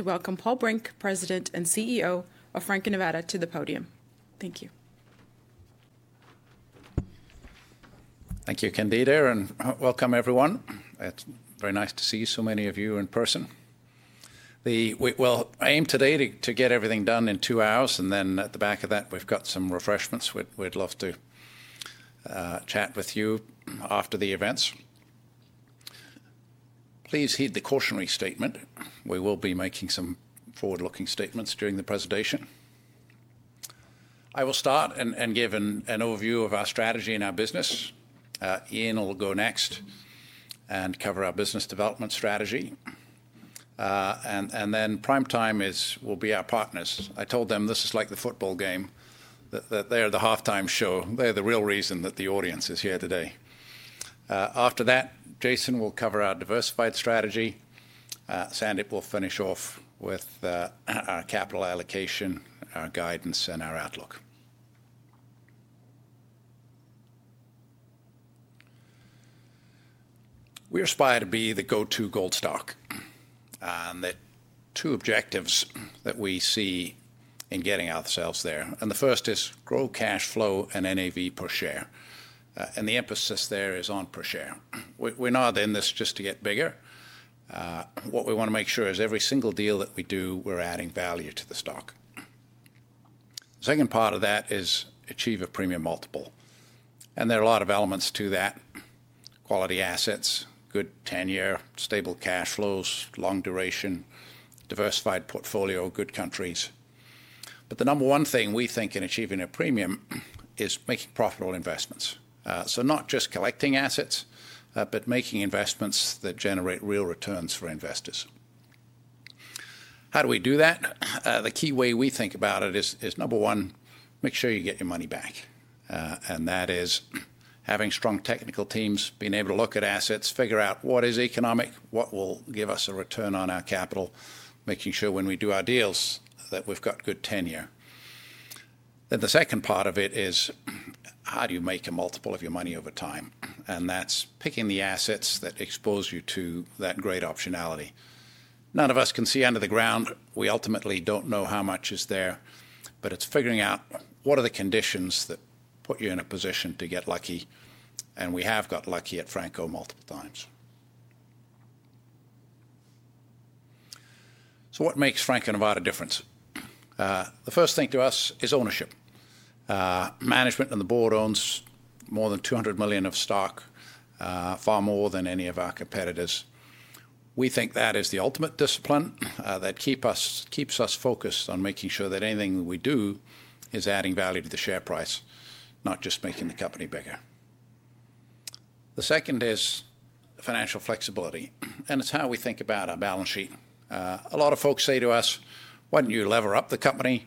To welcome Paul Brink, President and CEO. Of Franco-Nevada to the podium. Thank you. Thank you, Candida. And welcome, everyone. It's very nice to see so many of you in person. I aim today to get everything done in two hours and then at the back of that we've got some refreshments. We'd love to chat with you after the events. Please heed the cautionary statement. We will be making some forward-looking statements during the presentation. I will start and give an overview of our strategy and our business. Eaun will go next and cover our business development strategy. Then primetime will be our partners. I told them this is like the football game, that they are the halftime show. They are the real reason that the audience is here today. After that, Jason will cover our diversified strategy. Sandip will finish off with our capital allocation, our guidance, and our outlook. We aspire to be the go-to-gold stock. Two objectives that we see in getting ourselves there and the first is grow cash flow and NAV per share. The emphasis there is on per share. We're not in this just to get bigger. What we want to make sure is every single deal that we do, we're adding value to the stock. The second part of that is achieve a premium multiple. There are a lot of elements to that. Quality assets, good 10 year stable cash flows, long duration diversified portfolio, good countries. The number one thing we think in achieving a premium is making profitable investments. Not just collecting assets, but making investments that generate real returns for investors. How do we do that? The key way we think about it is number one, make sure you get your money back. That is having strong technical teams, being able to look at assets, figure out what is economic, what will give us a return on our capital, making sure when we do our deals that we've got good tenure. The second part of it is how do you make a multiple of your money over time? That is picking the assets that expose you to that great optionality. None of us can see under the ground. We ultimately don't know how much is there, but it's figuring out what are the conditions that put you in a position to get lucky. We have got lucky at Franco-Nevada multiple times. What makes Franco-Nevada different? The first thing to us is ownership management. The board owns more than $200 million of stock, far more than any of our competitors. We think that is the ultimate discipline that keeps us focused on making sure that anything we do is adding value to the share price, not just making the company bigger. The second is financial flexibility and it's how we think about our balance sheet. A lot of folks say to us, why don't you lever up the company?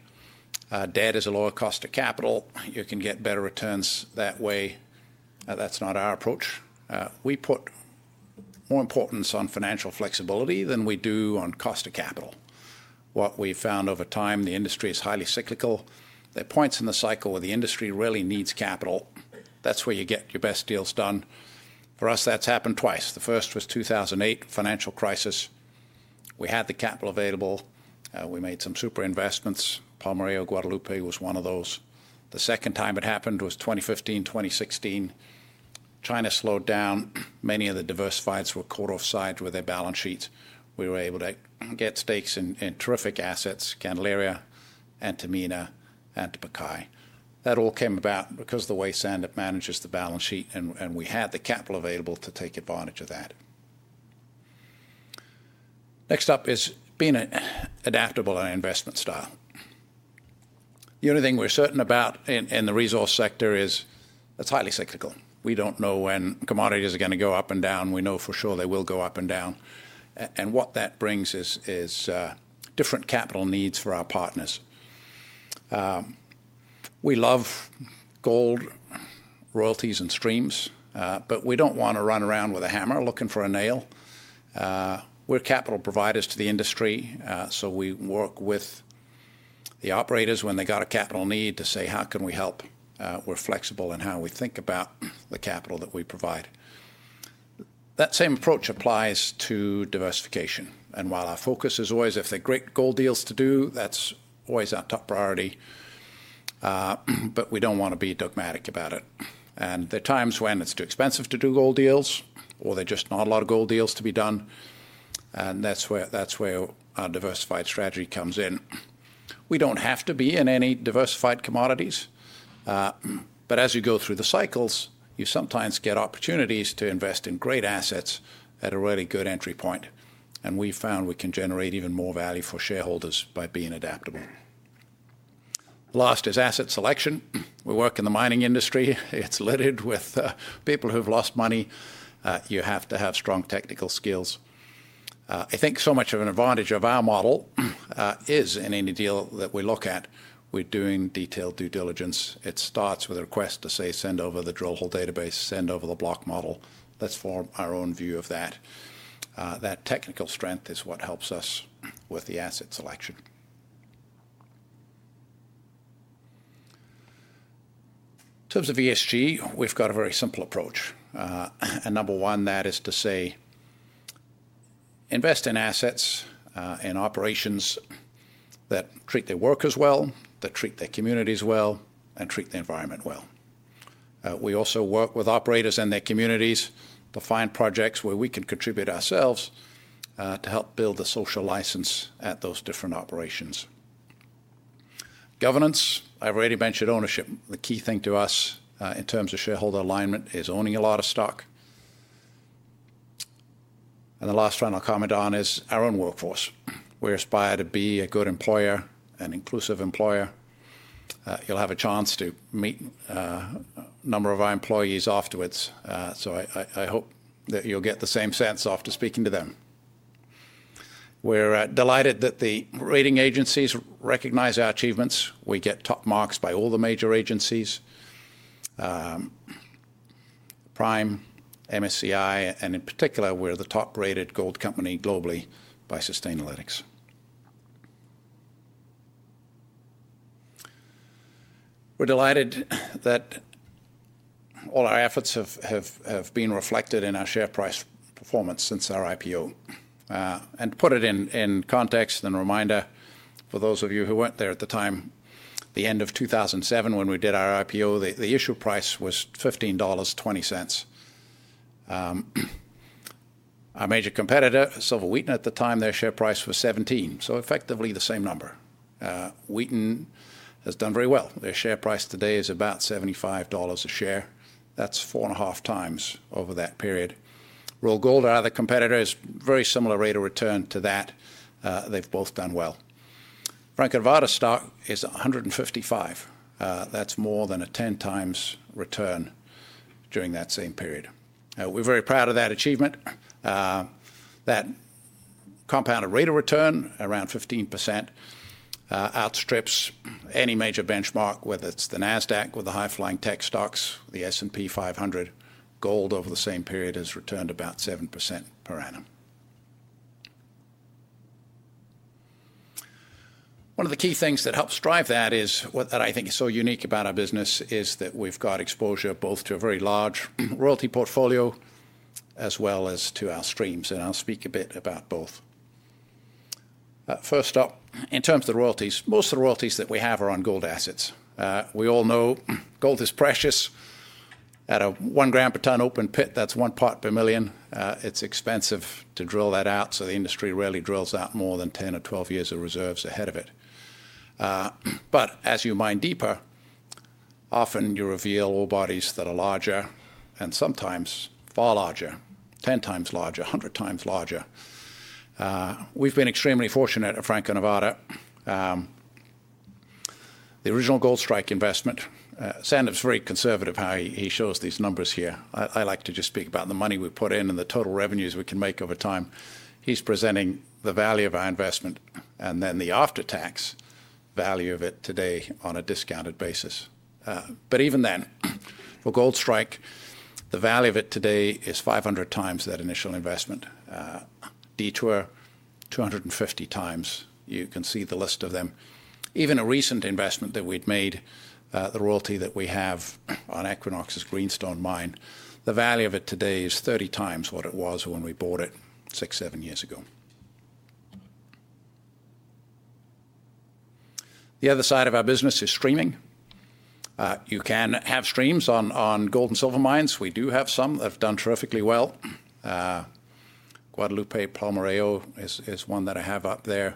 Debt is a lower cost of capital. You can get better returns that way. That's not our approach. We put more importance on financial flexibility than we do on cost of capital. What we found over time, the industry is highly cyclical. There are points in the cycle where the industry really needs capital. That's where you get your best deals done. For us, that's happened twice. The first was 2008 financial crisis. We had the capital available. We made some super investments. Palmari, Guadalupe was one of those. The second time it happened was 2015, 2016. China slowed down. Many of the diversifieds were caught offside with their balance sheets. We were able to get stakes in terrific assets. Candelaria and Timmins and Tocantinzinho. That all came about because of the way Sandeep manages the balance sheet. We had the capital available to take advantage of that. Next up is being adaptable on investment style. The only thing we're certain about in the resource sector is it's highly cyclical. We don't know when commodities are going to go up and down. We know for sure they will go up and down. What that brings is different capital needs for our partners. We love gold, royalties and streams, but we don't want to run around with a hammer looking for a nail. We're capital providers to the industry. We work with the operators when they got a capital need to say, how can we help? We're flexible in how we think about the capital that we provide. That same approach applies to diversification. While our focus is always if there are great gold deals to do, that's always our top priority. We don't want to be dogmatic about it. There are times when it's too expensive to do gold deals or there are just not a lot of gold deals to be done. That's where our diversified strategy comes in. We don't have to be in any diversified commodities, but as you go through the cycles, you sometimes get opportunities to invest in great assets at a really good entry point. We found we can generate even more value for shareholders by being adaptable. Last is asset selection. We work in the mining industry. It's littered with people who've lost money. You have to have strong technical skills. I think so much of an advantage of our model is in any deal that we look at, we're doing detailed due diligence. It starts with a request to say, send over the drill-hole database, send over the block model. Let's form our own view of that. That technical strength is what helps us with the asset selection. In terms of ESG, we've got a very simple approach and number one, that is to say, invest in assets in operations that treat their workers well, that treat their communities well and treat the environment well. We also work with operators and their communities to find projects where we can contribute ourselves to help build the social license at those different operations. Governance. I've already mentioned ownership. The key thing to us in terms of shareholder alignment is owning a lot of stock. The last final comment on is our own workforce. We aspire to be a good employer, an inclusive employer. You'll have a chance to meet a number of our employees afterwards. I hope that you'll get the same sense after speaking to them. We're delighted that the rating agencies recognize our achievements. We get top marks by all the major agencies, prime MSCI and in particular we're the top rated gold company globally by Sustainalytics. We're delighted that all our efforts have been reflected in our share price performance since our IPO. To put it in context and reminder for those of you who weren't there at the time, at the end of 2007 when we did our IPO, the issue price was $15.20. Our major competitor, Silver Wheaton, at the time their share price was $17. So effectively the same number. Wheaton has done very well. Their share price today is about $75 a share. That's four and a half times over that period. Royal Gold, our other competitors, very similar rate of return to that. They've both done well. Franco-Nevada stock is $155. That's more than a 10 times return during that same period. We're very proud of that achievement. That compounded rate of return around 15% outstrips any major benchmark, whether it's the NASDAQ with the high flying tech stocks, the S&P 500. Gold over the same period has returned about 7% per annum. One of the key things that helps drive that is what I think is so unique about our business is that we've got exposure both to a very large royalty portfolio as well as to our streams. I'll speak a bit about both. First up, in terms of royalties, most of the royalties that we have are on gold assets. We all know gold is precious. At a one gram per tonne open pit, that's one part per million. It's expensive to drill that out. The industry rarely drills out more than 10 or 12 years of reserves ahead of it. As you mine deeper, often you reveal ore bodies that are larger and sometimes far larger. Ten times larger, 100 times larger. We've been extremely fortunate at Franco-Nevada, the original Goldstrike investment. is very conservative how he shows these numbers here. I like to just speak about the money we put in and the total revenues we can make over time. He is presenting the value of our investment and then the after-tax value of it today on a discounted basis. Even then, for Goldstrike, the value of it today is 500 times that initial investment. Detour, 250 times. You can see the list of them. Even a recent investment that we made, the royalty that we have on Equinox's Greenstone mine, the value of it today is 30 times what it was when we bought it six, seven years ago. The other side of our business is streaming. You can have streams on gold and silver mines. We do have some that have done terrifically well. Guadalupe-Palmarejo is one that I have up there,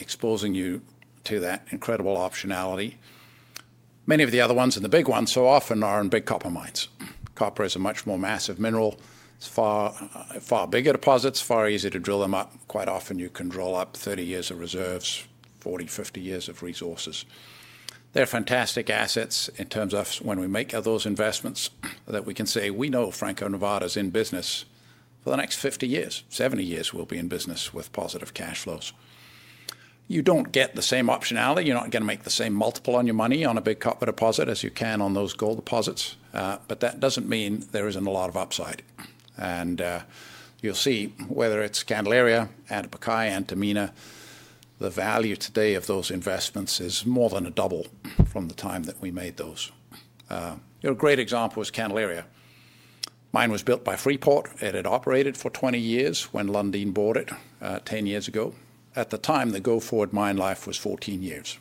exposing you to that incredible optionality. Many of the other ones and the big ones so often are in big copper mines. Copper is a much more massive mineral. It is far, far bigger deposits, far easier to drill them up. Quite often you can draw up 30 years of reserves, 40, 50 years of resources. They are fantastic assets in terms of when we make those investments that we can say we know Franco-Nevada is in business for the next 50 years, 70 years, we will be in business with positive cash flows. You do not get the same optionality. You are not going to make the same multiple on your money on a big copper deposit as you can on those gold deposits. That does not mean there is not a lot of upside. You will see whether it is Candelaria, Antapaccay and Timmins. The value today of those investments is more than a double from the time that we made those. A great example is Candelaria mine was built by Freeport. It had operated for 20 years when Lundin bought it 10 years ago. At the time, the go forward mine life was 14 years.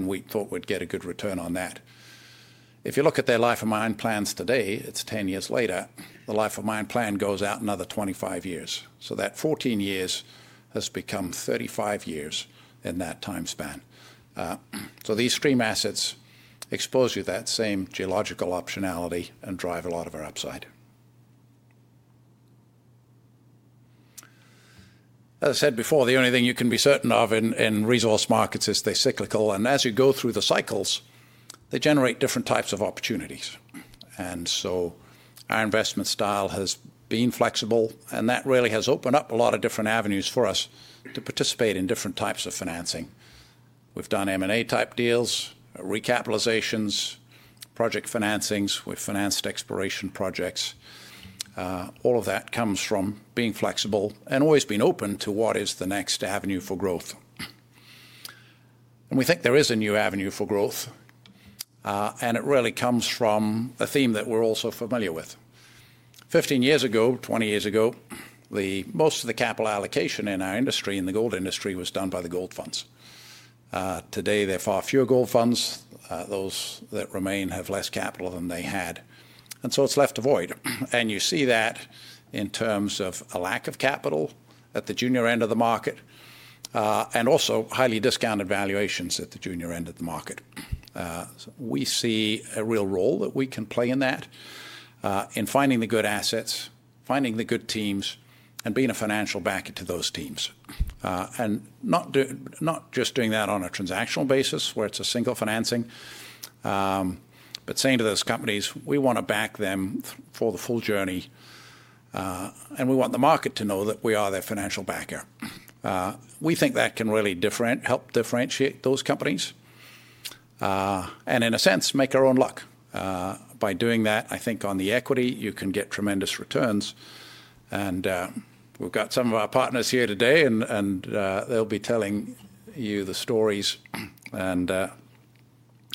We thought we'd get a good return on that. If you look at their life of mine plans today, it's 10 years later, the life of mine plan goes out another 25 years. That 14 years has become 35 years in that time. These stream assets expose you to that same geological optionality and drive a lot of our upside. As I said before, the only thing you can be certain of in resource markets is the cyclical. As you go through the cycles, they generate different types of opportunities. Our investment style has been flexible and that really has opened up a lot of different avenues for us to participate in different types of financing. We've done M&A type deals, recapitalizations, project financings, we financed exploration projects. All of that comes from being flexible and always being open to what is the next avenue for growth. We think there is a new avenue for growth. It really comes from a theme that we're all so familiar with. 15 years ago, 20 years ago, most of the capital allocation in our industry, in the gold industry, was done by the gold funds. Today there are far fewer gold funds. Those that remain have less capital than they had and so it's left a void. You see that in terms of a lack of capital at the junior end of the market and also highly discounted valuations at the junior end of the market. We see a real role that we can play in that, in finding the good assets, finding the good teams and being a financial backer to those teams and not just doing that on a transactional basis where it's a single financing, but saying to those companies we want to back them for the full journey and we want the market to know that we are their financial backer. We think that can really help differentiate those companies and in a sense make our own luck by doing that. I think on the equity you can get tremendous returns. We have some of our partners here today and they'll be telling you the stories and I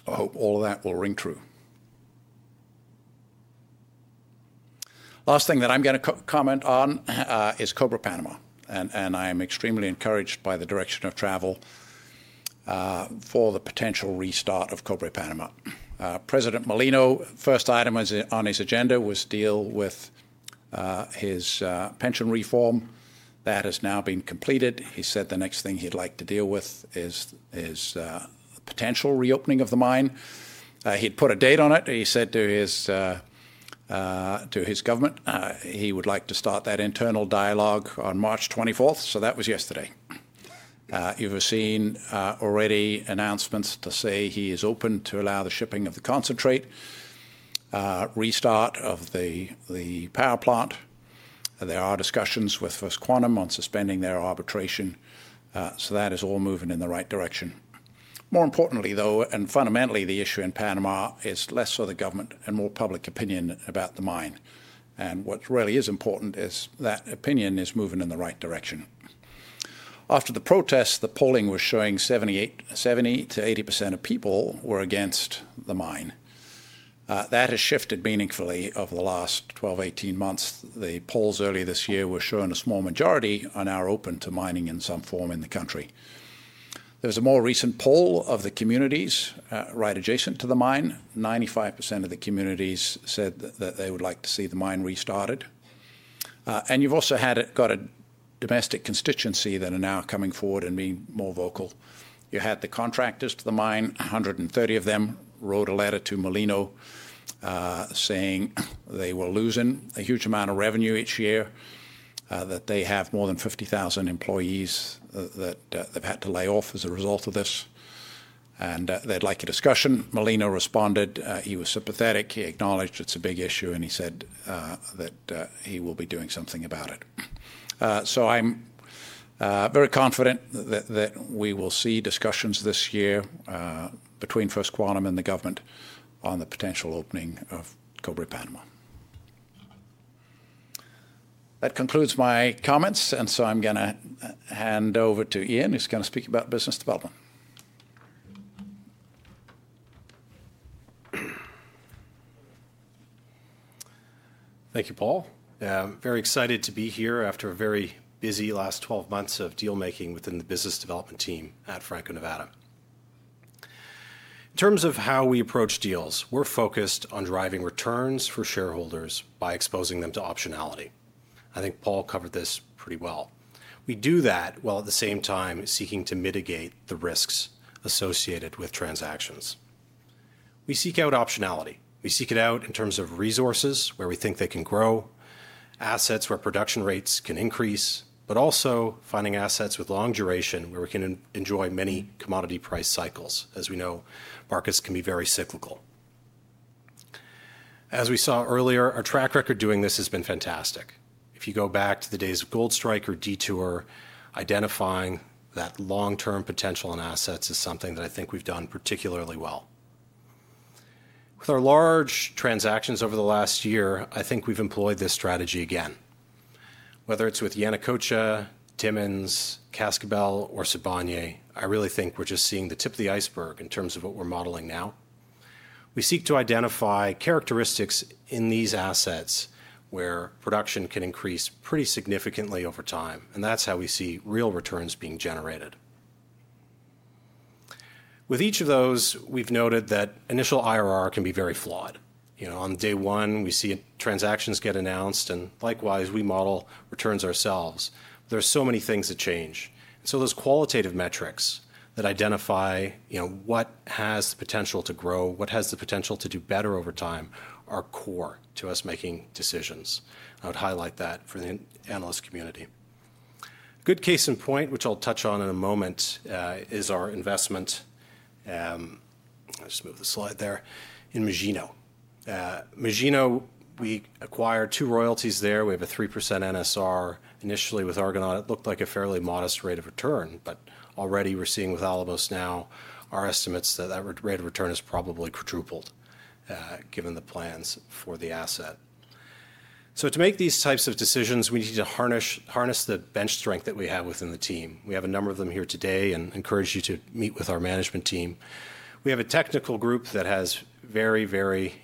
hope all of that will ring true. The last thing that I'm going to comment on is Cobre Panama and I am extremely encouraged by the direction of travel for the potential restart of Cobre Panama. President Mulino's first item on his agenda was to deal with his pension reform; that has now been completed. He said the next thing he'd like to deal with is the potential reopening of the mine. He put a date on it. He said to his government he would like to start that internal dialogue on March 24. That was yesterday. You have seen already announcements to say he is open to allow the shipping of the concentrate and restart of the power plant. There are discussions with First Quantum on suspending their arbitration. That is all moving in the right direction. More importantly though, and fundamentally the issue in Panama is less for the government and more public opinion about the mine. What really is important is that opinion is moving in the right direction. After the protests, the polling was showing 70%-80% of people were against the mine. That has shifted meaningfully over the last 12-18 months. The polls earlier this year were showing a small majority are now open to mining in some form in the country. There is a more recent poll of the communities right adjacent to the mine. 95% of the communities said that they would like to see the mine restarted. You have also got a domestic constituency that are now coming forward and being more vocal. You had the contractors to the mine, 130 of them wrote a letter to Molino saying they were losing a huge amount of revenue each year, that they have more than 50,000 employees that they've had to lay off as a result of this and they'd like a discussion. Molino responded he was sympathetic. He acknowledged it's a big issue and he said that he will be doing something about it. I am very confident that we will see discussions this year between First Quantum and the government on the potential opening of Cobre Panama. That concludes my comments. I am going to hand over to Eaun who's going to speak about business. Development. Thank you, Paul. Very excited to be here after a very busy last 12 months of deal making within the business development team at Franco-Nevada. In terms of how we approach deals, we're focused on driving returns for shareholders by exposing them to optionality. I think Paul covered this pretty well. We do that while at the same time seeking to mitigate the risks associated with transactions. We seek out optionality. We seek it out in terms of resources where we think they can grow, assets where production rates can increase, but also finding assets with long duration where we can enjoy many commodity price cycles. As we know markets can be very cyclical. As we saw earlier. Our track record doing this has been fantastic. If you go back to the days of Goldstrike or Detour, identifying that long-term potential in assets is something that I think we've done particularly well with our large transactions over the last year. I think we've employed this strategy again, whether it's with Yanacocha, Timmins, Cascabel or Sibanye-Stillwater. I really think we're just seeing the tip of the iceberg in terms of what we're modeling now. We seek to identify characteristics in these assets where production can increase pretty significantly over time. That is how we see real returns being generated. With each of those, we've noted that initial IRR can be very flawed. On day one, we see transactions get announced and likewise we model returns ourselves. There are so many things that change. Those qualitative metrics that identify what has the potential to grow, what has the potential to do better over time are core to us making decisions. I would highlight that for the analyst. Community. Good. Case in point, which I'll touch on in a moment, is our investment. I just move the slide there. In Magino mine, we acquired two royalties. There we have a 3% NSR. Initially with Argonaut it looked like a fairly modest rate of return. Already we're seeing with Alamos now our estimates that that rate of return has probably quadrupled given the plans for the asset. To make these types of decisions, we need to harness the bench strength that we have within the team. We have a number of them here today and encourage you to meet with our management team. We have a technical group that has very, very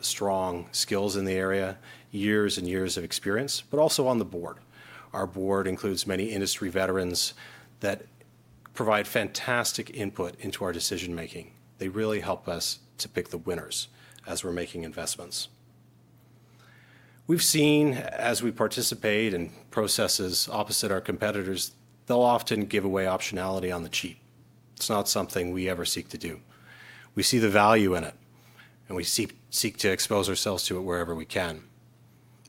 strong skills in the area, years and years of experience, but also on the board. Our board includes many industry veterans that provide fantastic input into our decision making. They really help us to pick the winners as we're making investments. We've seen as we participate in processes opposite our competitors, they'll often give away optionality on the cheap. It's not something we ever seek to do. We see the value in it and we seek to expose ourselves to it wherever we can.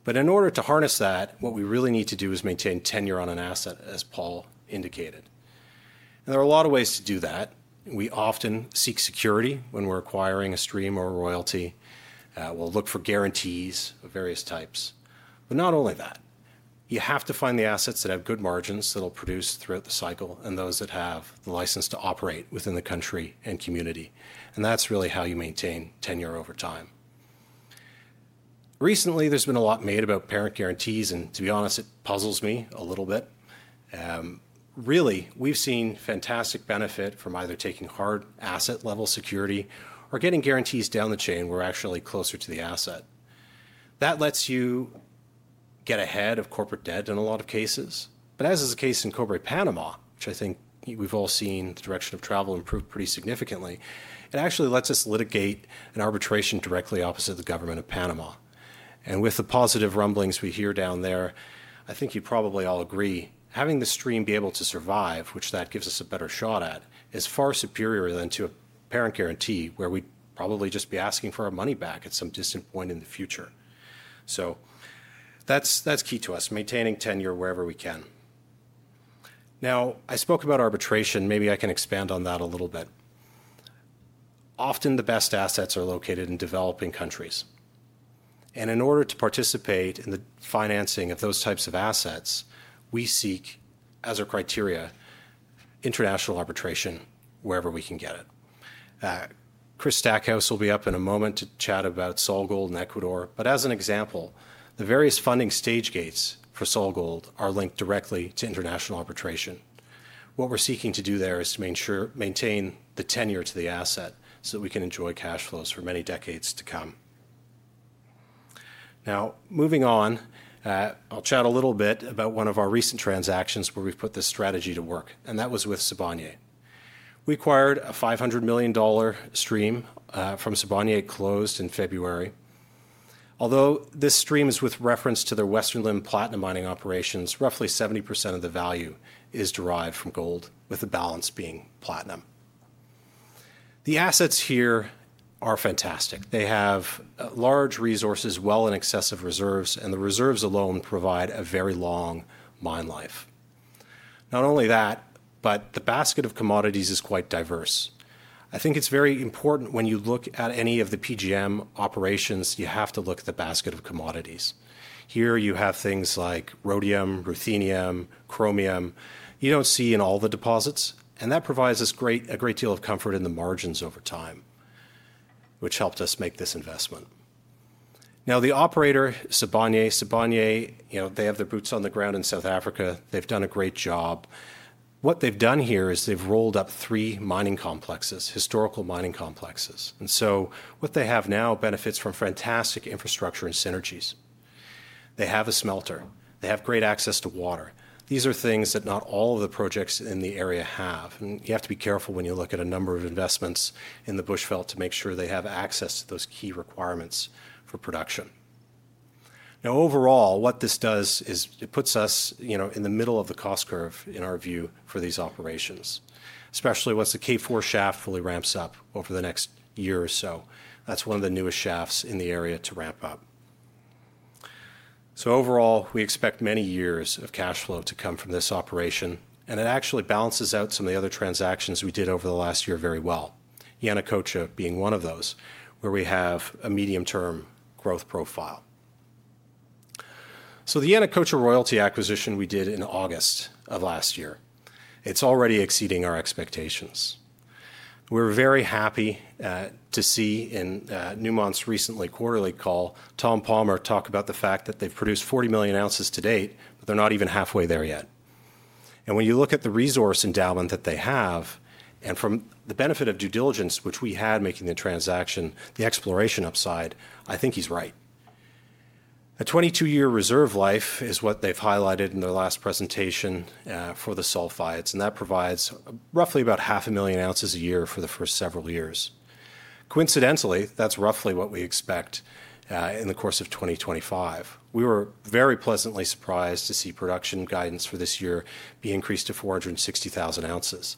In order to harness that, what we really need to do is maintain tenure on an asset, as Paul has indicated. There are a lot of ways to do that. We often seek security when we're acquiring a stream or royalty. We'll look for guarantees of various types, not only that, you have to find the assets that have good margins that will produce throughout the cycle and those that have the license to operate within the country and community. That's really how you maintain tenure over time. Recently there's been a lot made about parent guarantees. To be honest, it probably puzzles me a little bit really. We've seen fantastic benefit from either taking hard asset level security or getting guarantees down the chain. We're actually closer to the asset that lets you get ahead of corporate debt in a lot of cases. As is the case in Cobre Panama, which I think we've all seen the direction of travel improve pretty significantly, it actually lets us litigate an arbitration directly opposite the government of Panama. With the positive rumblings we hear down there, I think you probably all agree having the stream be able to survive, which that gives us a better shot at, is far superior than to a parent guarantee where we'd probably just be asking for our money back at some distant point in the future. That is key to us maintaining tenure wherever we can. I spoke about arbitration. Maybe I can expand on that a little bit. Often the best assets are located in developing countries. In order to participate in the financing of those types of assets, we seek as a criteria, international arbitration wherever we can get it. Chris Stackhouse will be up in a moment to chat about SolGold and Ecuador. As an example, the various funding stage gates for SolGold are linked directly to international arbitration. What we are seeking to do there is to maintain the tenure to the asset so that we can enjoy cash flows for many decades to come. Now, moving on, I will chat a little bit about one of our recent transactions where we put this strategy to work, and that was with Sibanye-Stillwater. We acquired a $500 million stream from Sibanye-Stillwater, closed in February. Although this stream is with reference to their Western Limb platinum mining operations, roughly 70% of the value is derived from gold, with the balance being platinum. The assets here are fantastic. They have large resources, well in excess of reserves. And the reserves alone provide a very long mine life. Not only that, but the basket of commodities is quite diverse. I think it's very important. When you look at any of the PGM operations, you have to look at the basket of commodities. Here you have things like rhodium, ruthenium, chromium. You don't see in all the deposits. That provides us a great deal of comfort in the margins over time, which helped us make this investment. Now, the operator, Sibanye-Stillwater, they have their boots on the ground in South Africa. They've done a great job. What they have done here is they have rolled up three mining complexes, historical mining complexes. What they have now benefits from fantastic infrastructure and synergies. They have a smelter. They have great access to water. These are things that not all of the projects in the area have. You have to be careful when you look at a number of investments in the Bushveld to make sure they have access to those key requirements for production. Now, overall, what this does is it puts us in the middle of the cost curve, in our view, for these operations, especially once the K4 shaft fully ramps up over the next year or so. That is one of the newest shafts in the area to ramp up. Overall, we expect many years of cash flow to come from this operation. It actually balances out some of the other transactions we did over the last year very well. Yanacocha being one of those where we have a medium term growth profile. The Yanacocha royalty acquisition we did in August of last year is already exceeding our expectations. We're very happy to see in Newmont's recent quarterly call Tom Palmer talk about the fact that they've produced 40 million ounces to date, but they're not even halfway there yet. When you look at the resource endowment that they have and from the benefit of due diligence which we had making the transaction, the exploration upside, I think he's right. A 22 year reserve life is what they've highlighted in their last presentation for the sulfides and that provides roughly about 500,000 ounces a year for the first several years. Coincidentally, that's roughly what we expect in the course of 2025. We were very pleasantly surprised to see production guidance for this year be increased to 460,000 ounces.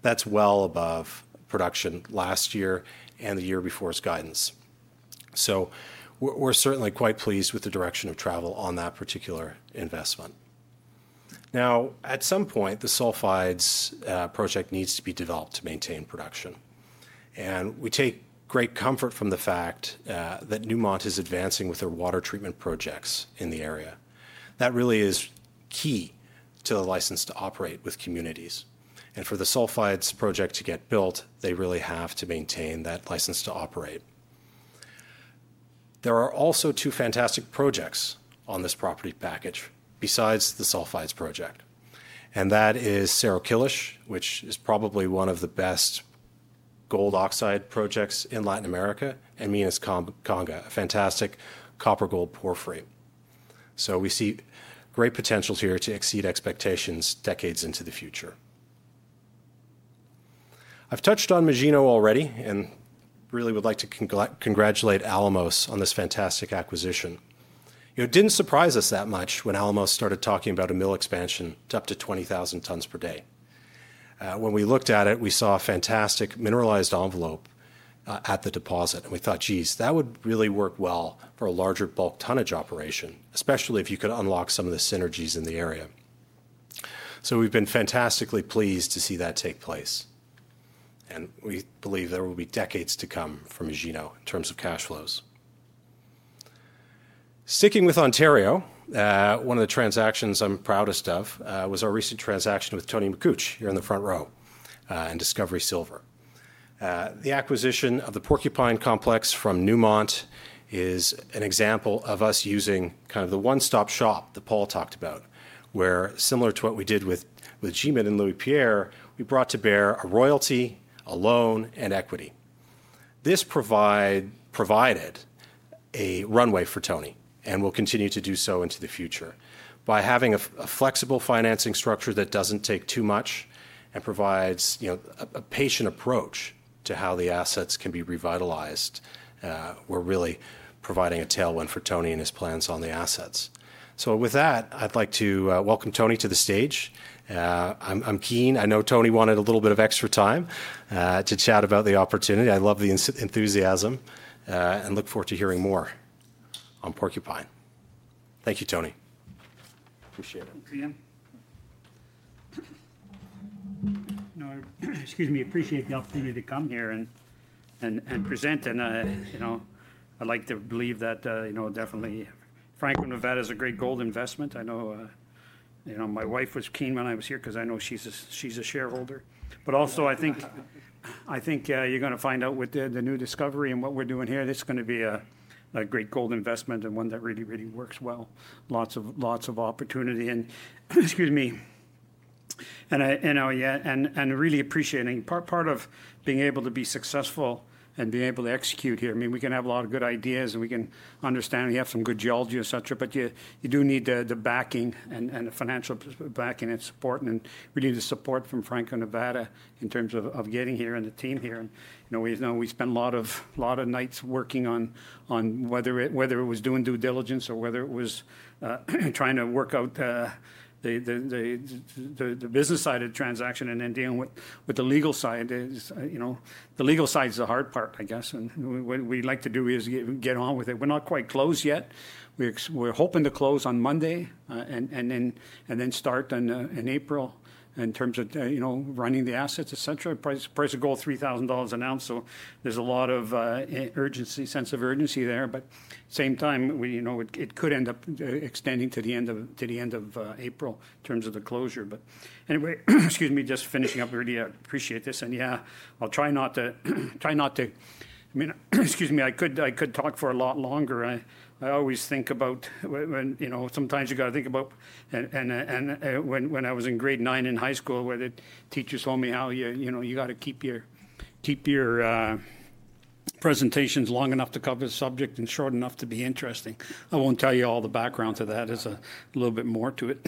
That's well above production last year and the year before's guidance. We are certainly quite pleased with the direction of travel on that particular investment. At some point the Sulfides project needs to be developed to maintain production and we take great comfort from the fact that Newmont is advancing with their water treatment projects in the area. That really is key to the license to operate with communities. For the sulfides project to get built, they really have to maintain that license to operate. There are also two fantastic projects on this property package besides the sulfides project, and that is Cerro Killis, which is probably one of the best gold oxide projects in Latin America. Minas Conga, a fantastic copper gold porphyry. We see great potential here to exceed expectations decades into the future. I have touched on Magino already and really would like to congratulate Alamos on this fantastic acquisition. It did not surprise us that much when Alamos started talking about a mill expansion to up to 20,000 tons per day. When we looked at it, we saw a fantastic mineralized envelope at the deposit and we thought, geez, that would really work well for a larger bulk tonnage operation, especially if you could unlock some of the synergies in the area. We have been fantastically pleased to see that take place and we believe there will be decades to come from Magino in terms of cash flows. Sticking with Ontario, one of the transactions I am proudest of was our recent transaction with Tony Makuch here in the front row and Discovery Silver. The acquisition of the Porcupine complex from Newmont is an example of us using kind of the one stop shop that Paul talked about where, similar to what we did with G Mining and Louis-Pierre, we brought to bear a royalty, a loan, and equity. This provided a runway for Tony and will continue to do so into the future by having a flexible financing structure that does not take too much and provides a patient approach to how the assets can be revitalized. We are really providing a tailwind for Tony and his plans on the assets. With that, I would like to welcome Tony to the stage. I am keen. I know Tony wanted a little bit of extra time to chat about the opportunity. I love the enthusiasm and look forward to hearing more on Porcupine. Thank you, Tony. Appreciate. Excuse me. Appreciate the opportunity to come here and present. I'd like to believe that, you know, definitely Franco-Nevada is a great gold investment. I know my wife was keen when I was here because I know she's a shareholder. I think you're going to find out with the new discovery and what we're doing here, this is going to be a great gold investment and one that really, really works well. Lots of opportunity. Excuse me. Really appreciating part of being able to be successful and being able to execute here. I mean, we can have a lot of good ideas and we can understand, we have some good geology, et cetera. You do need the backing and the financial backing and support and really the support from Franco-Nevada in terms of getting here and the team here. We spent a lot of nights working on whether it was doing due diligence or whether it was trying to work out the business side of the transaction and then dealing with the legal side. The legal side is the hard part, I guess. What we like to do is get on with it. We're not quite closed yet. We're hoping to close on Monday and then start in April. In terms of running the assets, etc. Price of gold, $3,000 an ounce. There is a lot of urgency. Sense of urgency there. At the same time, it could end up extending to the end of April, in terms of the closure. Anyway, excuse me. Just finishing up earlier. I appreciate this and yeah, I'll try not to. I mean, excuse me. I could talk for a lot longer. I always think about when, you know, sometimes you got to think about. When I was in grade nine in high school where the teachers told me how, you know, you got to keep your presentations long enough to cover the subject and short enough to be interesting. I won't tell you all the background to that as a little bit more to it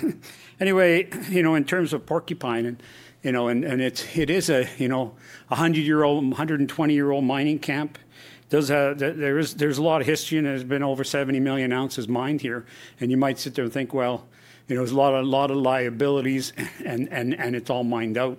anyway, you know, in terms of Porcupine and you know, and it's, it is a, you know, 100 year old, 120 year old mining camp. There is, there's a lot of history and there's been over 70 million ounces mined here. You might sit there and think, you know, there's a lot of, lot of liabilities and it's all mined out.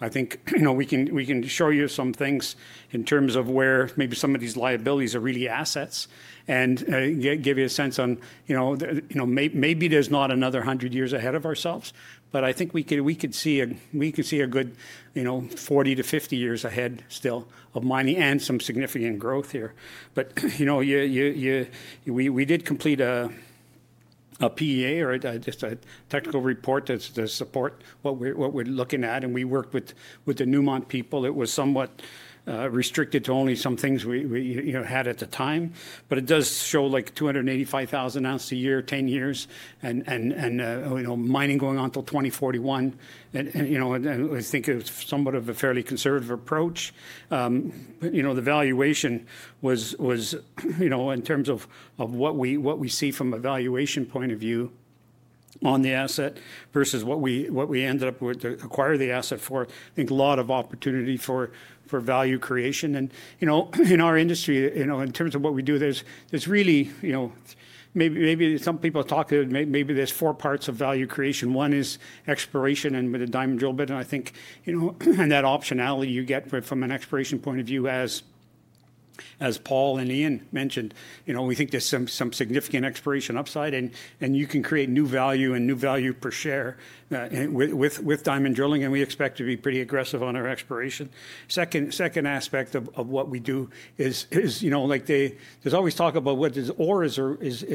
I think, you know, we can, we can show you some things in terms of where maybe some of these liabilities are really assets and give you a sense on, you know, maybe there's not another 100 years ahead of ourselves. I think we could see a good, you know, 40-50 years ahead still of mining and some significant growth here. You know we did complete a PEA or just a technical report to support what we're looking at and we worked with the Newmont people. It was somewhat restricted to only some things we had at the time. It does show like 285,000 ounces a year, 10 years and mining going on till 2041. I think it was somewhat of a fairly conservative approach. The valuation was in terms of what we see from a valuation point of view on the asset versus what we ended up acquire the asset for. I think a lot of opportunity for, for value creation. You know, in our industry, you know, in terms of what we do, there's really, you know, maybe, maybe some people talk maybe there's four parts of value creation. One is exploration and with a diamond drill bit and I think, you know, and that optionality you get from an exploration point of view as, as Paul and Eaun mentioned, you know, we think there's some, some significant exploration upside and you can create new value and new value per share with diamond drilling and we expect to be pretty aggressive on our exploration. Second aspect of what we do is there's always talk about what is ore is.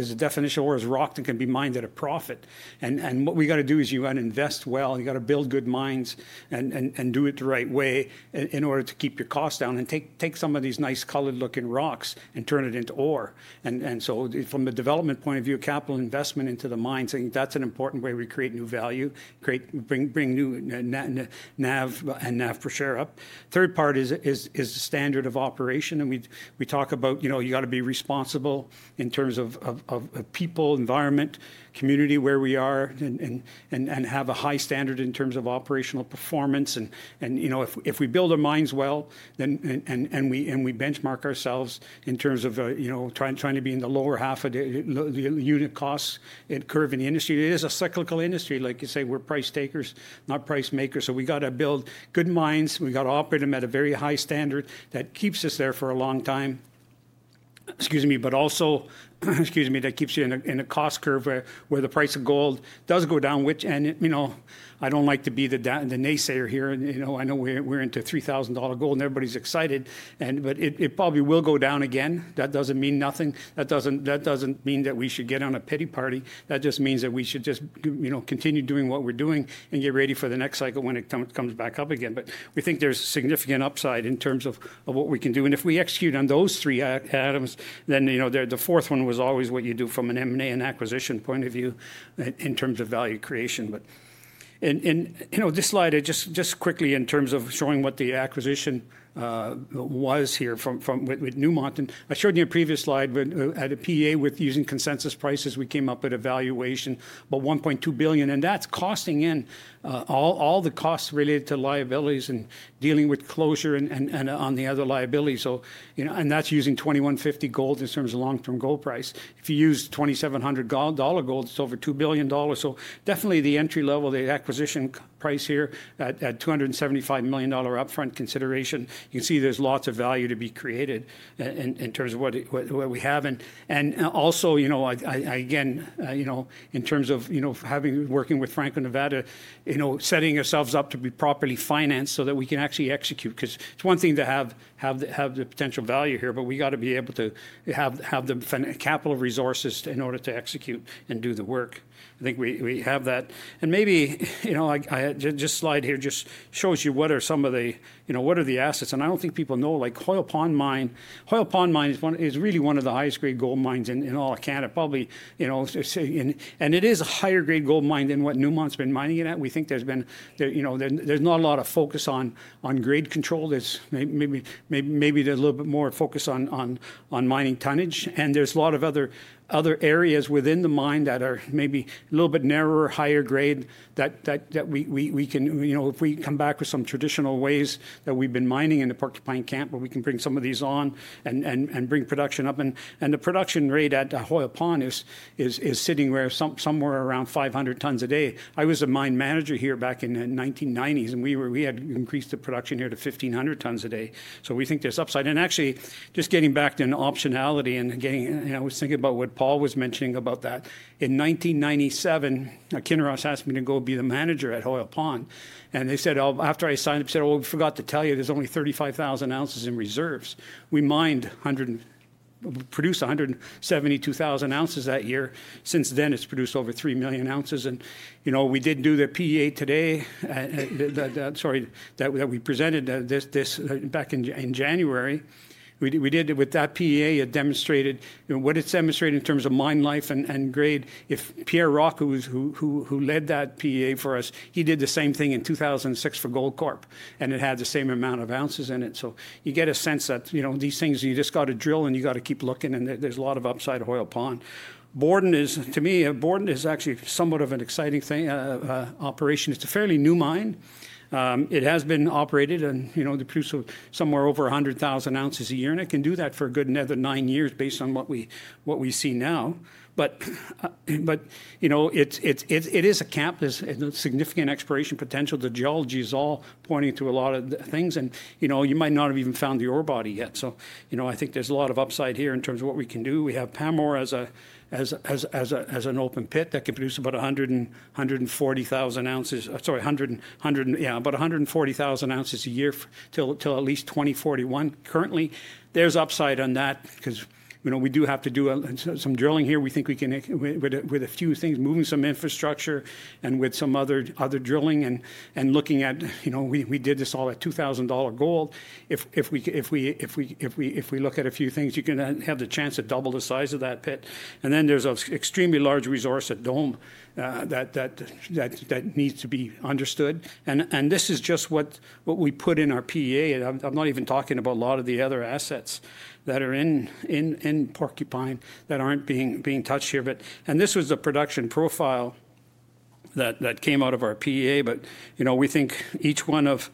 The definition of ore is rock that can be mined at a profit. What you got to do is you want to invest well, you got to build good mines and do it the right way in order to keep your cost down and take some of these nice colored looking rocks and turn it into ore. From the development point of view, capital investment into the mines, I think that's an important way we create new value, create, bring new NAV and NAV per share up. Third part is the standard of operation and we talk about, you know, you got to be responsible in terms of people, environment, community, where we are, and have a high standard in terms of operational performance. If we build our mines well, and we benchmark ourselves in terms of, you know, trying to be in the lower half of the unit costs curve in the industry. It is a cyclical industry. Like you say, we're price takers, not price makers. We got to build good mines, we got to operate them at a very high standard that keeps us there for a long time. Excuse me, but also, excuse me, that keeps you in a cost curve where the price of gold does go down. Which, and you know, I don't like to be the naysayer here. You know, I know we're into $3,000 gold and everybody's excited, but it probably will go down again. That doesn't mean nothing. That doesn't mean that we should get on a pity party. That just means that we should just, you know, continue doing what we're doing and get ready for the next cycle when it comes back up again. We think there's significant upside in terms of what we can do. If we execute on those three items then, you know, the fourth one was always what you do from an M&A and acquisition point of view in terms of value creation. You know, this slide just quickly in terms of showing what the acquisition was here from, from with Newmont and I showed you a previous slide but at a PFS with using consensus prices we came up at a valuation of $1.2 billion and that's costing in all, all the costs related to liabilities and dealing with closure and, and on the other liability. You know, and that's using $2,150 gold in terms of long term gold price. If you use $2,700 gold, it's over $2 billion. Definitely the entry level, the acquisition price here at $275 million upfront consideration. You can see there's lots of value to be created in terms of what we have. And also, you know, again, you know, in terms of, you know, having, working with Franco-Nevada, you know, setting ourselves up to be properly financed so that we can actually execute. Because it's one thing to have the potential value here, but we got to be able to have the capital resources in order to execute and do the work. I think we have that and maybe, you know, just slide here just shows you what are some of the, you know, what are the assets. I don't think people know like Hoyle Pond Mine. Hoyle Pond Mine is really one of the highest grade gold mines in all of Canada, probably, you know, and it is a higher grade gold mine than what Newmont's been mining it at. We think there's been, you know, there's not a lot of focus on grade control. Maybe there's a little bit more focus on mining tonnage. There are a lot of other areas within the mine that are maybe a little bit narrower, higher grade that we can, you know, if we come back with some traditional ways that we've been mining in the Porcupine camp where we can bring some of these on and bring production up. The production rate at Hoyle Pond is sitting somewhere around 500 tons a day. I was a mine manager here back in the 1990s, and we had increased the production here to 1,500 tons a day. We think there's upside in actually just getting back to an optionality and getting. I was thinking about what Paul was mentioning about that. In 1997, Kinross asked me to go be the manager at Hoyle Pond. They said, after I signed up, oh, we forgot to tell you, there's only 35,000 ounces in reserves. We mined produced 172,000 ounces that year. Since then, it's produced over 3 million ounces. You know, we did do the PEA today. Sorry, we presented this back in January. We did with that PEA. It demonstrated what it's demonstrated in terms of mine life and grade. If Pierre Rock, who led that PEA for us, he did the same thing in 2006 for Goldcorp, and it had the same amount of ounces in it. You get a sense that these things you just got to drill and you got to keep looking, and there's a lot of upside. Hoyle Pond Borden is. To me, Borden is actually somewhat of an exciting operation. It's a fairly new mine. It has been operated and, you know, they produce somewhere over 100,000 ounces a year, and it can do that for a good another nine years based on what we see now. You know, it is a campus and significant exploration potential. The geology is all pointing to a lot of things. You know, you might not have even found the ore body yet. You know, I think there's a lot of upside here in terms of what we can do. We have Pamore as an open pit that can produce about 100,000 ounces-140,000 ounces, sorry, 100,000 and about 140,000 ounces a year till at least 2041. Currently there's upside on that because, you know, we do have to do some drilling here. We think we can, with a few things, moving some infrastructure and with some other drilling and looking at, you know, we did this all at $2,000 gold. If we look at a few things, you can have the chance to double the size of that pit. There is an extremely large resource at Dome that needs to be understood. This is just what we put in our PEA. I'm not even talking about a lot of the other assets that are in Porcupine that aren't being touched here. This was a production profile that came out of our PEA. We think each one of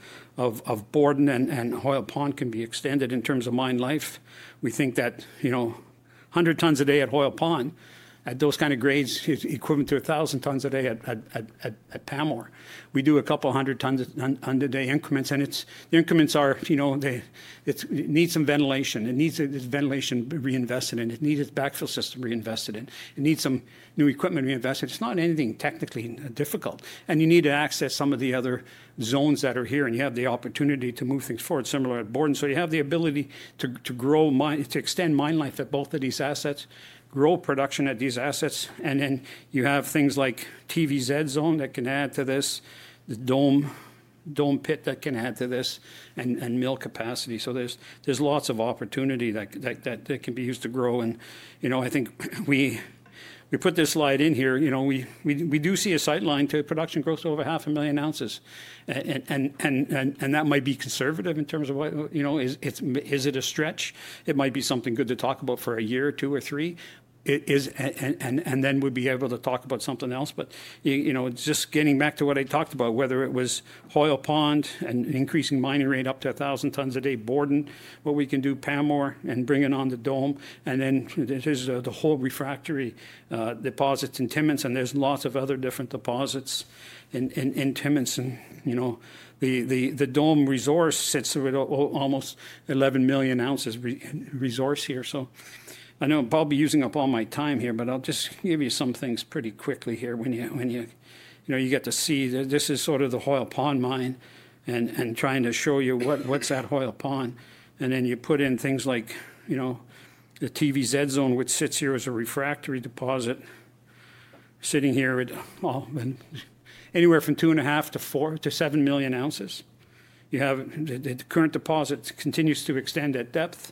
Borden and Hoyle Pond can be extended in terms of mine life. We think that 100 tons a day at Hoyle Pond at those kind of grades is equivalent to 1,000 tons a day at Pamore. We do a couple hundred tons a day increments. The increments are it needs some ventilation. It needs ventilation reinvested and it needs its backfill system reinvested in. It needs some new equipment reinvested. It's not anything technically difficult. You need to access some of the other zones that are here. You have the opportunity to move things forward similar at Borden. You have the ability to. To grow mine, to extend mine life at both of these assets, grow production at these assets. You have things like TVZ Zone that can add to this, the Dome pit that can add to this, and mill capacity. There is lots of opportunity that can be used to grow. I think we put this slide in here. We do see a sight line to production growth over 500,000 ounces. That might be conservative in terms of, is it a stretch. It might be something good to talk about for a year or two or three. We would be able to talk about something else. You know, just getting back to what I talked about, whether it was Hoyle Pond and increasing mining rate up to 1,000 tons a day, Borden, what we can do Pam or bring it on the Dome. There is the whole refractory deposits in Timmins and there are lots of other different deposits in Timmins. You know, the Dome resource sits at almost 11 million ounces resource here. I know, Bobby, using up all my time here, but I'll just give you some things pretty quickly here. When you, you know, you get to see that this is sort of the Hoyle Pond Mine and trying to show you what is at Hoyle Pond. Then you put in things like, you know, the TVZ zone, which sits here as a refractory deposit, sitting here anywhere from 2.5 million ounces-4-7 million ounces. You have the current deposit that continues to extend at depth.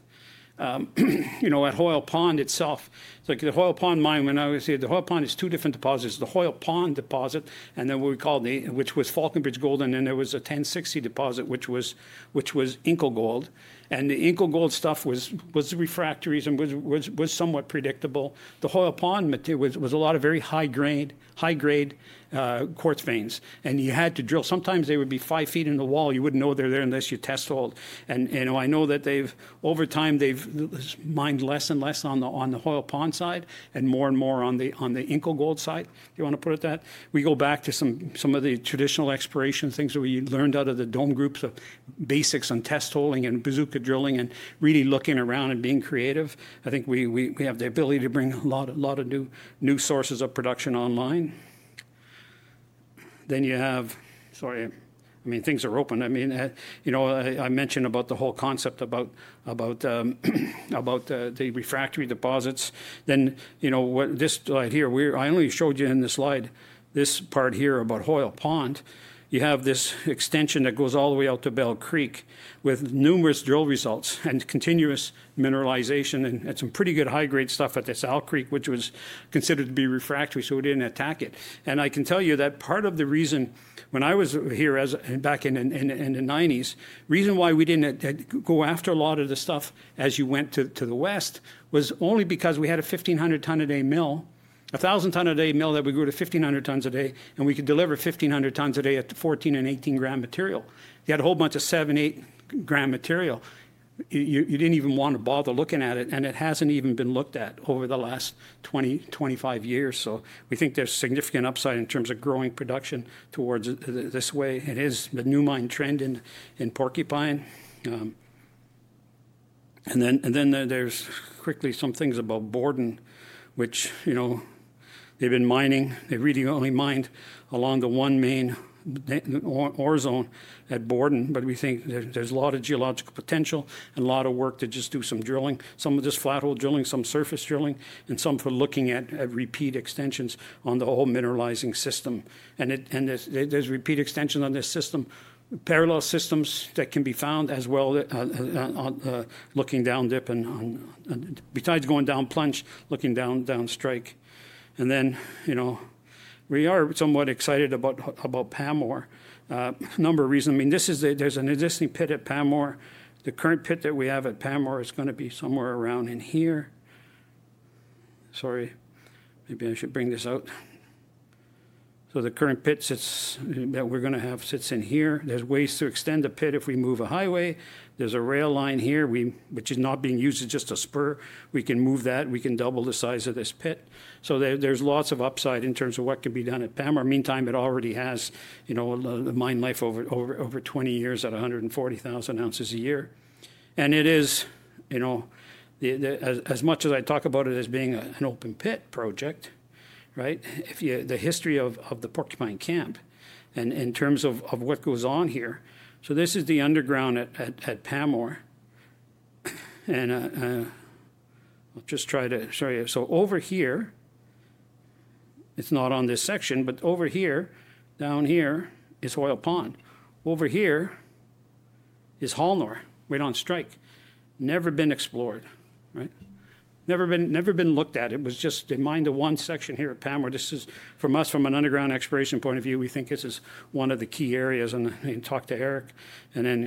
You know, at Hoyle Pond itself, like the Hoyle Pond Mine, when I was here, the Hoyle Pond is two different deposits. The Hoyle Pond deposit and then what we call which was Falconbridge Gold. There was a 1060 deposit which was Inco Gold. The Inco Gold stuff was refractories and was somewhat predictable. The Hoyle Pond material was a lot of very high grade quartz veins. You had to drill, sometimes they would be five feet in the wall. You would not know they are there unless you test hole. I know that over time they have mined less and less on the Hoyle Pond side and more and more on the Inco Gold side. You want to put it that we go back to some of the traditional exploration things that we learned out of the Dome group, some basics on test holing and bazooka drilling and really looking around and being creative. I think we have the ability to bring a lot of new, new sources of production online. You have, sorry, I mean things are open. I mean, you know, I mentioned about the whole concept about the refractory deposits. You know, this slide here, I only showed you in the slide this part here about Hoyle Pond. You have this extension that goes all the way out to Bell Creek with numerous drill results and continuous mineralization and some pretty good high grade stuff at this Owl Creek, which was considered to be refractory. We did not attack it. I can tell you that part of the reason when I was here back in the 1990s, the reason why we did not go after a lot of the stuff as you went to the west was only because we had a 1,500 ton a day mill, 1,000 ton a day mill that we grew to 1,500 tons a day. We could deliver 1,500 tons a day at 14 and 18 gram material. You had a whole bunch of seven, eight gram material. You did not even want to bother looking at it. It has not even been looked at over the last 20 years-25 years. We think there is significant upside in terms of growing production towards this way. It is the new mine trend in Porcupine. There are quickly some things about Borden, which they have been mining. They really only mined along the one main ore zone at Borden. We think there's a lot of geological potential and a lot of work to just do some drilling. Some of this flat hole drilling, some surface drilling and some for looking at repeat extensions on the whole mineralizing system. There's repeat extension on this system, parallel systems that can be found as well. Looking down dip and besides going down plunch looking down strike. You know, we are somewhat excited about Pamore. A number of reasons. I mean this is. There's an existing pit at Pamore. The current pit that we have at Pamore is going to be somewhere around in here. Sorry, maybe I should bring this out. The current pit sits that we're going to have sits in here. There's ways to extend the pit. If we move a highway, there's a rail line here, which is not being used as just a spur. We can move that, we can double the size of this pit. There is lots of upside in terms of what can be done at Pamor. Meantime, it already has mine life over 20 years at 140,000 ounces a year. It is, as much as I talk about it as being an open pit project, the history of the Porcupine camp in terms of what goes on here. This is the underground at Pamor. I'll just try to show you. Over here, it's not on this section, but over here down here is Hoyle Pond, over here is Hallnor. Right on strike. Never been explored, never been looked at. It was just in mind the one section here at Pam, this is from us from an underground exploration point of view. We think this is one of the key areas. You talk to Eric and then,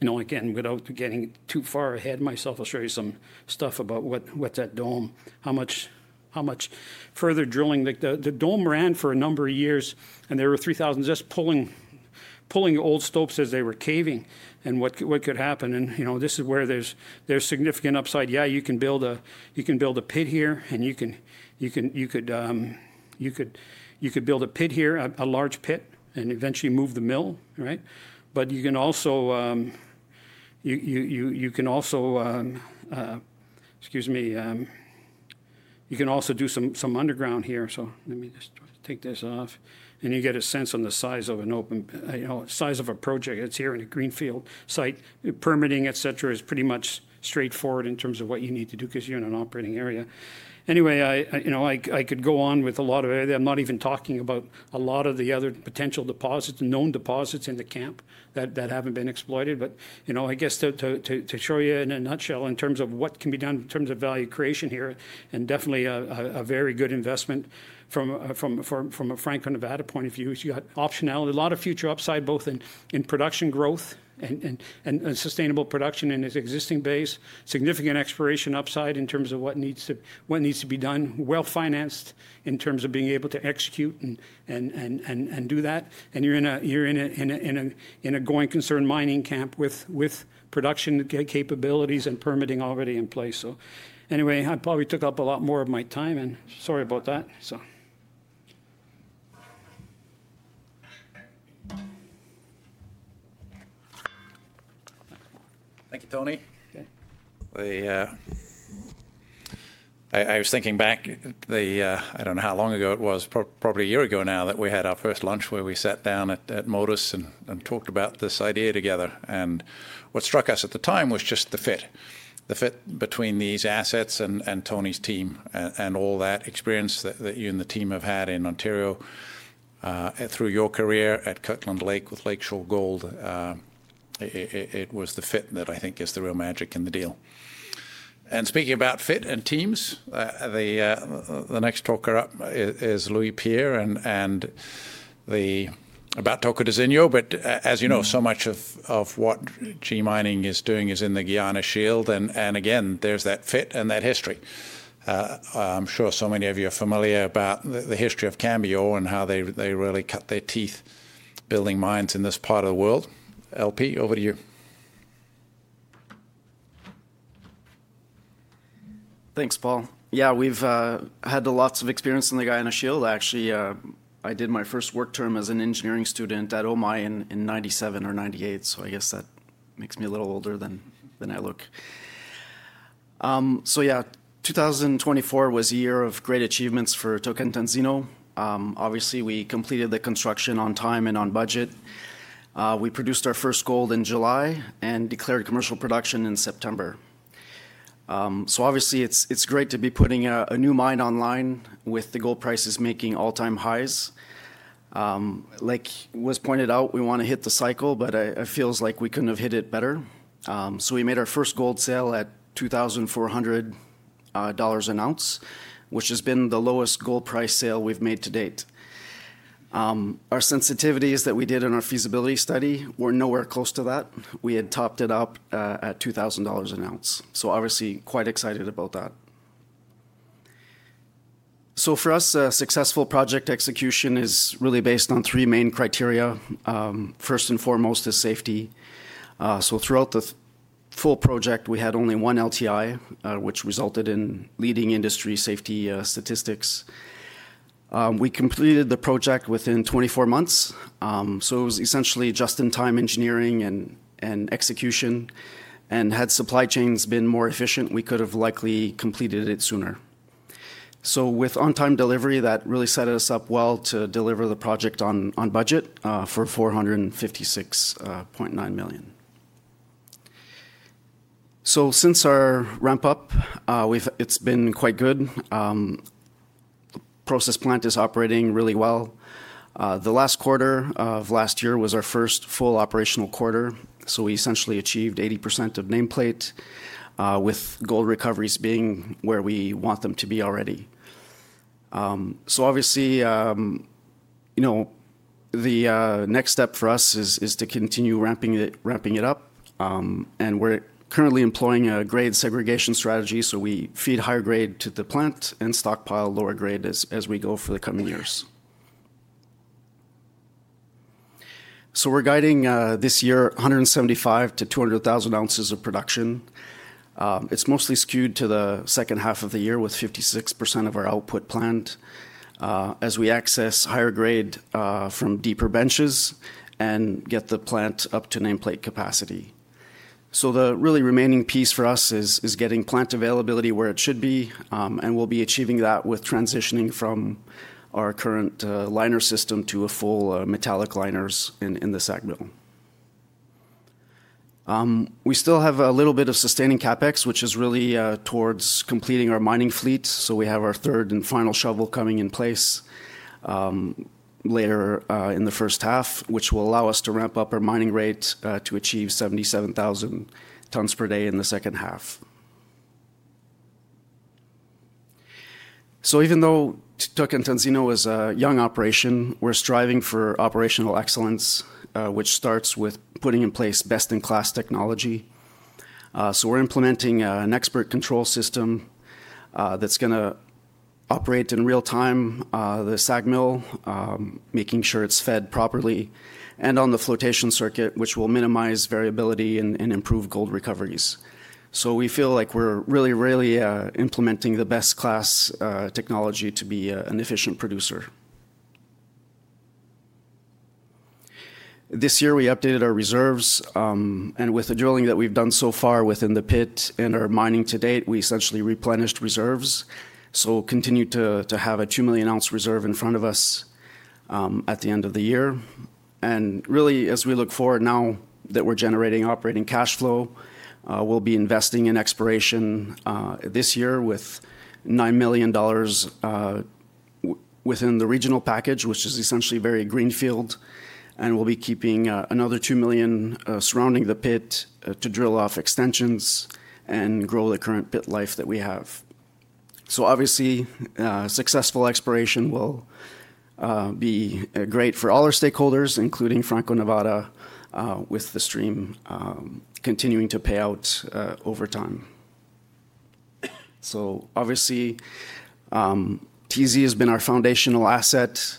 you know, again, without getting too far ahead of myself, I'll show you some stuff about what, what's that Dome? How much, how much further drilling. The Dome ran for a number of years and there were 3,000 just pulling, pulling old stopes as they were caving. And what could happen. You know, this is where there's significant upside. Yeah, you can build a, you can build a pit here and you can, you can, you could, you could build a pit here, a large pit and eventually move the mill. Right, but you can also, you can also. Excuse me, you can also do some underground here. Let me just take this off and you get a sense on the size of an open size of a project. It's here in a greenfield site permitting. Et cetera is pretty much straightforward in terms of what you need to do because you're in an operating area anyway. I could go on with a lot of. I'm not even talking about a lot of the other potential deposits, known deposits in the camp that haven't been exploited. I guess to show you in a nutshell in terms of what can be done in terms of value creation here and definitely a very good investment from a Franco-Nevada point of view. You got optionality, a lot of future upside both in production growth and sustainable production in its existing base, significant exploration upside in terms of what needs to be done, well financed, in terms of being able to execute and do that. You are in a going concerned mining camp with production capabilities and permitting already in place. I probably took up a lot more of my time. Sorry about. Thank you, Tony. I was thinking back, I don't know how long ago, it was probably a year ago now that we had our first lunch where we sat down at Modus and talked about this idea together. What struck us at the time was just the fit. The fit between these assets and Tony's team and all that experience that you and the team have had in Ontario through your career at Kirkland Lake with Lakeshore Gold. It was the fit that I think is the real magic in the deal. Speaking about fit and teams, the next talker up is Louis-Pierre and about Tocantinzinho. As you know, so much of what G Mining is doing is in the Guiana Shield and again there's that fit and that history. I'm sure so many of you are familiar about the history of Franco-Nevada and how they really cut their teeth building mines in this part of the world. LP, over to. You. Thanks Paul. Yeah, we've had lots of experience in the Guyana Shield. Actually I did my first work term as an engineering student at, oh my, in 1997 or 1998. I guess that makes me a little older than I look. Yeah, 2024 was a year of great achievements for Tocantinzinho. Obviously we completed the construction on time and on budget. We produced our first gold in July and declared commercial production in September. Obviously it's great to be putting a new mine online with the gold prices making all-time highs. Like was pointed out, we want to hit the cycle but it feels like we couldn't have hit it better. We made our first gold sale at $2,400 an ounce which has been the lowest gold price sale we've made to date. Our sensitivities that we did in our feasibility study were nowhere close to that. We had topped it up at $2,000 an ounce. Obviously quite excited about that. For us, successful project execution is really based on three main criteria. First and foremost is safety. Throughout the full project we had only one LTI which resulted in leading industry safety statistics. We completed the project within 24 months. It was essentially just in time engineering and execution. Had supply chains been more efficient, we could have likely completed it sooner. With on time delivery that really set us up well to deliver the project on budget for $456.9 million. Since our ramp up, it's been quite good. Process plant is operating really well. The last quarter of last year was our first full operational quarter. We essentially achieved 80% of nameplate with gold recoveries being where we want them to be already. Obviously, you know, the next step for us is to continue ramping it, ramping it up. We're currently employing a grade segregation strategy so we feed higher grade to the plant and stockpile lower grade as we go for the coming years. We're guiding this year 175,000 ounces-200,000 ounces of production. It's mostly skewed to the second half of the year with 56% of our output planned as we access higher grade from deeper benches and get the plant up to nameplate capacity. The really remaining piece for us is getting plant availability where it should be. We'll be achieving that with transitioning from our current liner system to full metallic liners in the SAG mill. We still have a little bit of sustaining CapEx which is really towards completing our mining fleet. We have our third and final shovel coming in place later in the first half which will allow us to ramp up our mining rate to achieve 77,000 tons per day in the second half. Even though Tocantinzinho is a young operation, we're striving for operational excellence which starts with putting in place best-in-class technology. We're implementing an expert control system that's going to operate in real time. The SAG mill, making sure it's fed properly and on the flotation circuit which will minimize variability and improve gold recoveries. We feel like we're really, really implementing the best-in-class technology to be an efficient producer. This year we updated our reserves and with the drilling that we've done so far within the pit and our mining to date, we essentially replenished reserves. We continue to have a 2 million ounce reserve in front of us at the end of the year. Really as we look forward, now that we're generating operating cash flow, we'll be investing in exploration this year with $9 million within the regional package which is essentially very greenfield. We'll be keeping another $2 million surrounding the pit to drill off extensions and grow the current pit life that we have. Obviously successful exploration will be great for all our stakeholders including Franco-Nevada with the stream continuing to pay out over time. TZ has been our foundational asset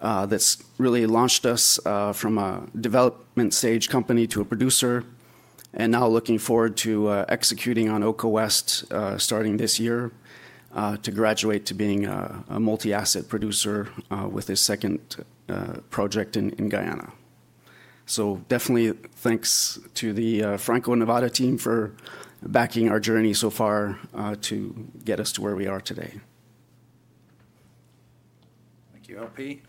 that's really launched us from a development stage company to a producer. Now looking forward to executing on Oko West starting this year to graduate to being a multi-asset producer with this second project in Guyana. Definitely thanks to the Franco-Nevada team for backing our journey so far to get us to where we are. Today. Thank you, LP.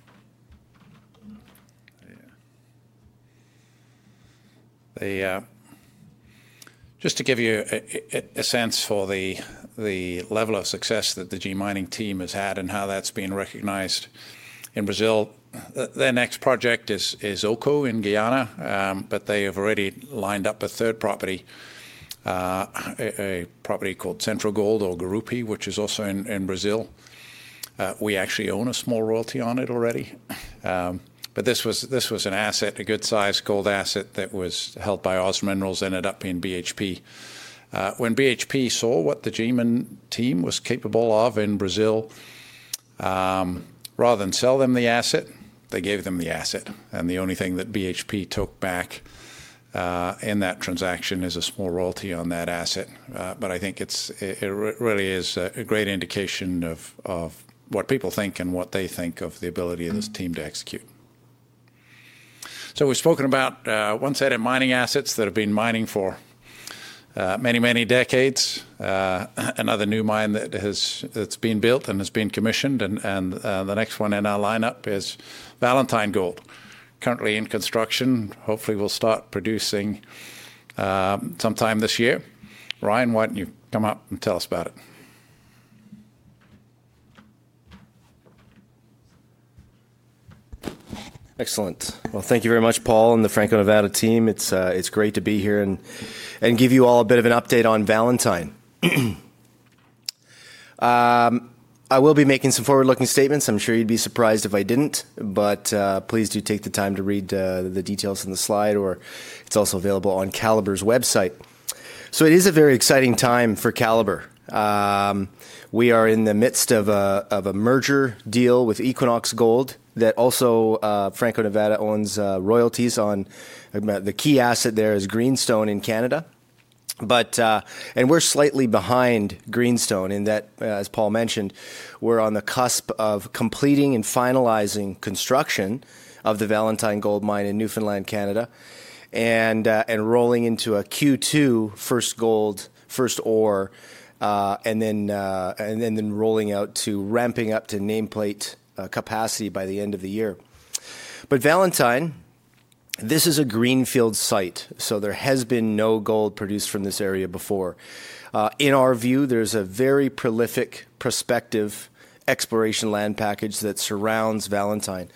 Just to give you a sense for the level of success that the G Mining team has had and how that's been recognized in Brazil. Their next project is Oko in Guyana. They have already lined up a third property, a property called Centro Gold or Garimpo, which is also in Brazil. We actually own a small royalty on it already. This was an asset, a good-sized gold asset that was held by OZ Minerals and ended up in BHP. When BHP saw what the G Mining team was capable of in Brazil, rather than sell them the asset, they gave them the asset. The only thing that BHP took back in that transaction is a small royalty on that asset. I think it really is a great indication of what people think and what they think of the ability of this team to execute. We have spoken about one set of mining assets that have been mining for many, many decades. Another new mine that has been built and has been commissioned, and the next one in our lineup is Valentine Gold, currently in construction. Hopefully we will start producing sometime this year. Ryan, why do you not come up and tell us about it. Excellent. Thank you very much Paul and the Franco-Nevada team. It's great to be here and give you all a bit of an update on Valentine. I will be making some forward looking statements. I'm sure you'd be surprised if I didn't. Please do take the time to read the details on the slide or it's also available on Calibre's website. It is a very exciting time for Calibre. We are in the midst of a merger deal with Equinox Gold that also Franco-Nevada owns royalties on. The key asset there is Greenstone in Canada and we're slightly behind Greenstone in that. As Paul mentioned, we're on the cusp of completing and finalizing construction of the Valentine gold mine in Newfoundland, Canada and rolling into a Q2 first gold, first ore, and then rolling out to ramping up to nameplate capacity by the end of the year. Valentine, this is a greenfield site, so there has been no gold produced from this area before. In our view, there's a very prolific prospective exploration land package that surrounds Valentine.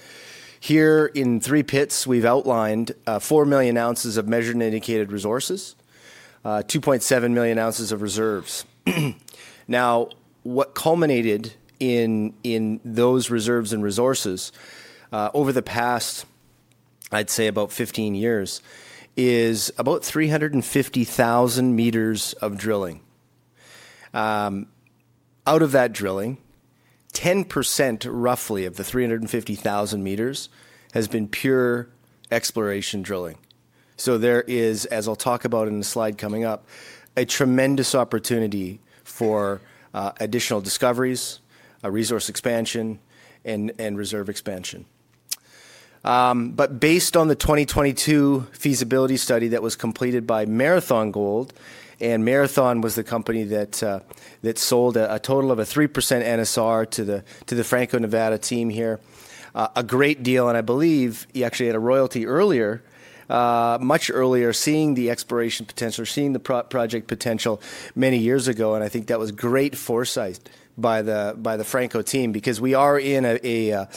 Here in three pits we've outlined 4 million ounces of measured and indicated resources, 2.7 million ounces of reserves. What culminated in those reserves and resources over the past, I'd say about 15 years is about 350,000 meters of drilling. Out of that drilling, 10% roughly of the 350,000 meters has been pure exploration drilling. There is, as I'll talk about in the slide coming up, a tremendous opportunity for additional discoveries, resource expansion, and reserve expansion. Based on the 2022 feasibility study that was completed by Marathon Gold, and Marathon was the company that sold a total of a 3% NSR to the Franco-Nevada team here, a great deal. I believe he actually had a royalty earlier, much earlier, seeing the exploration potential, seeing the project potential many years ago. I think that was great foresight by the Franco team because we are in a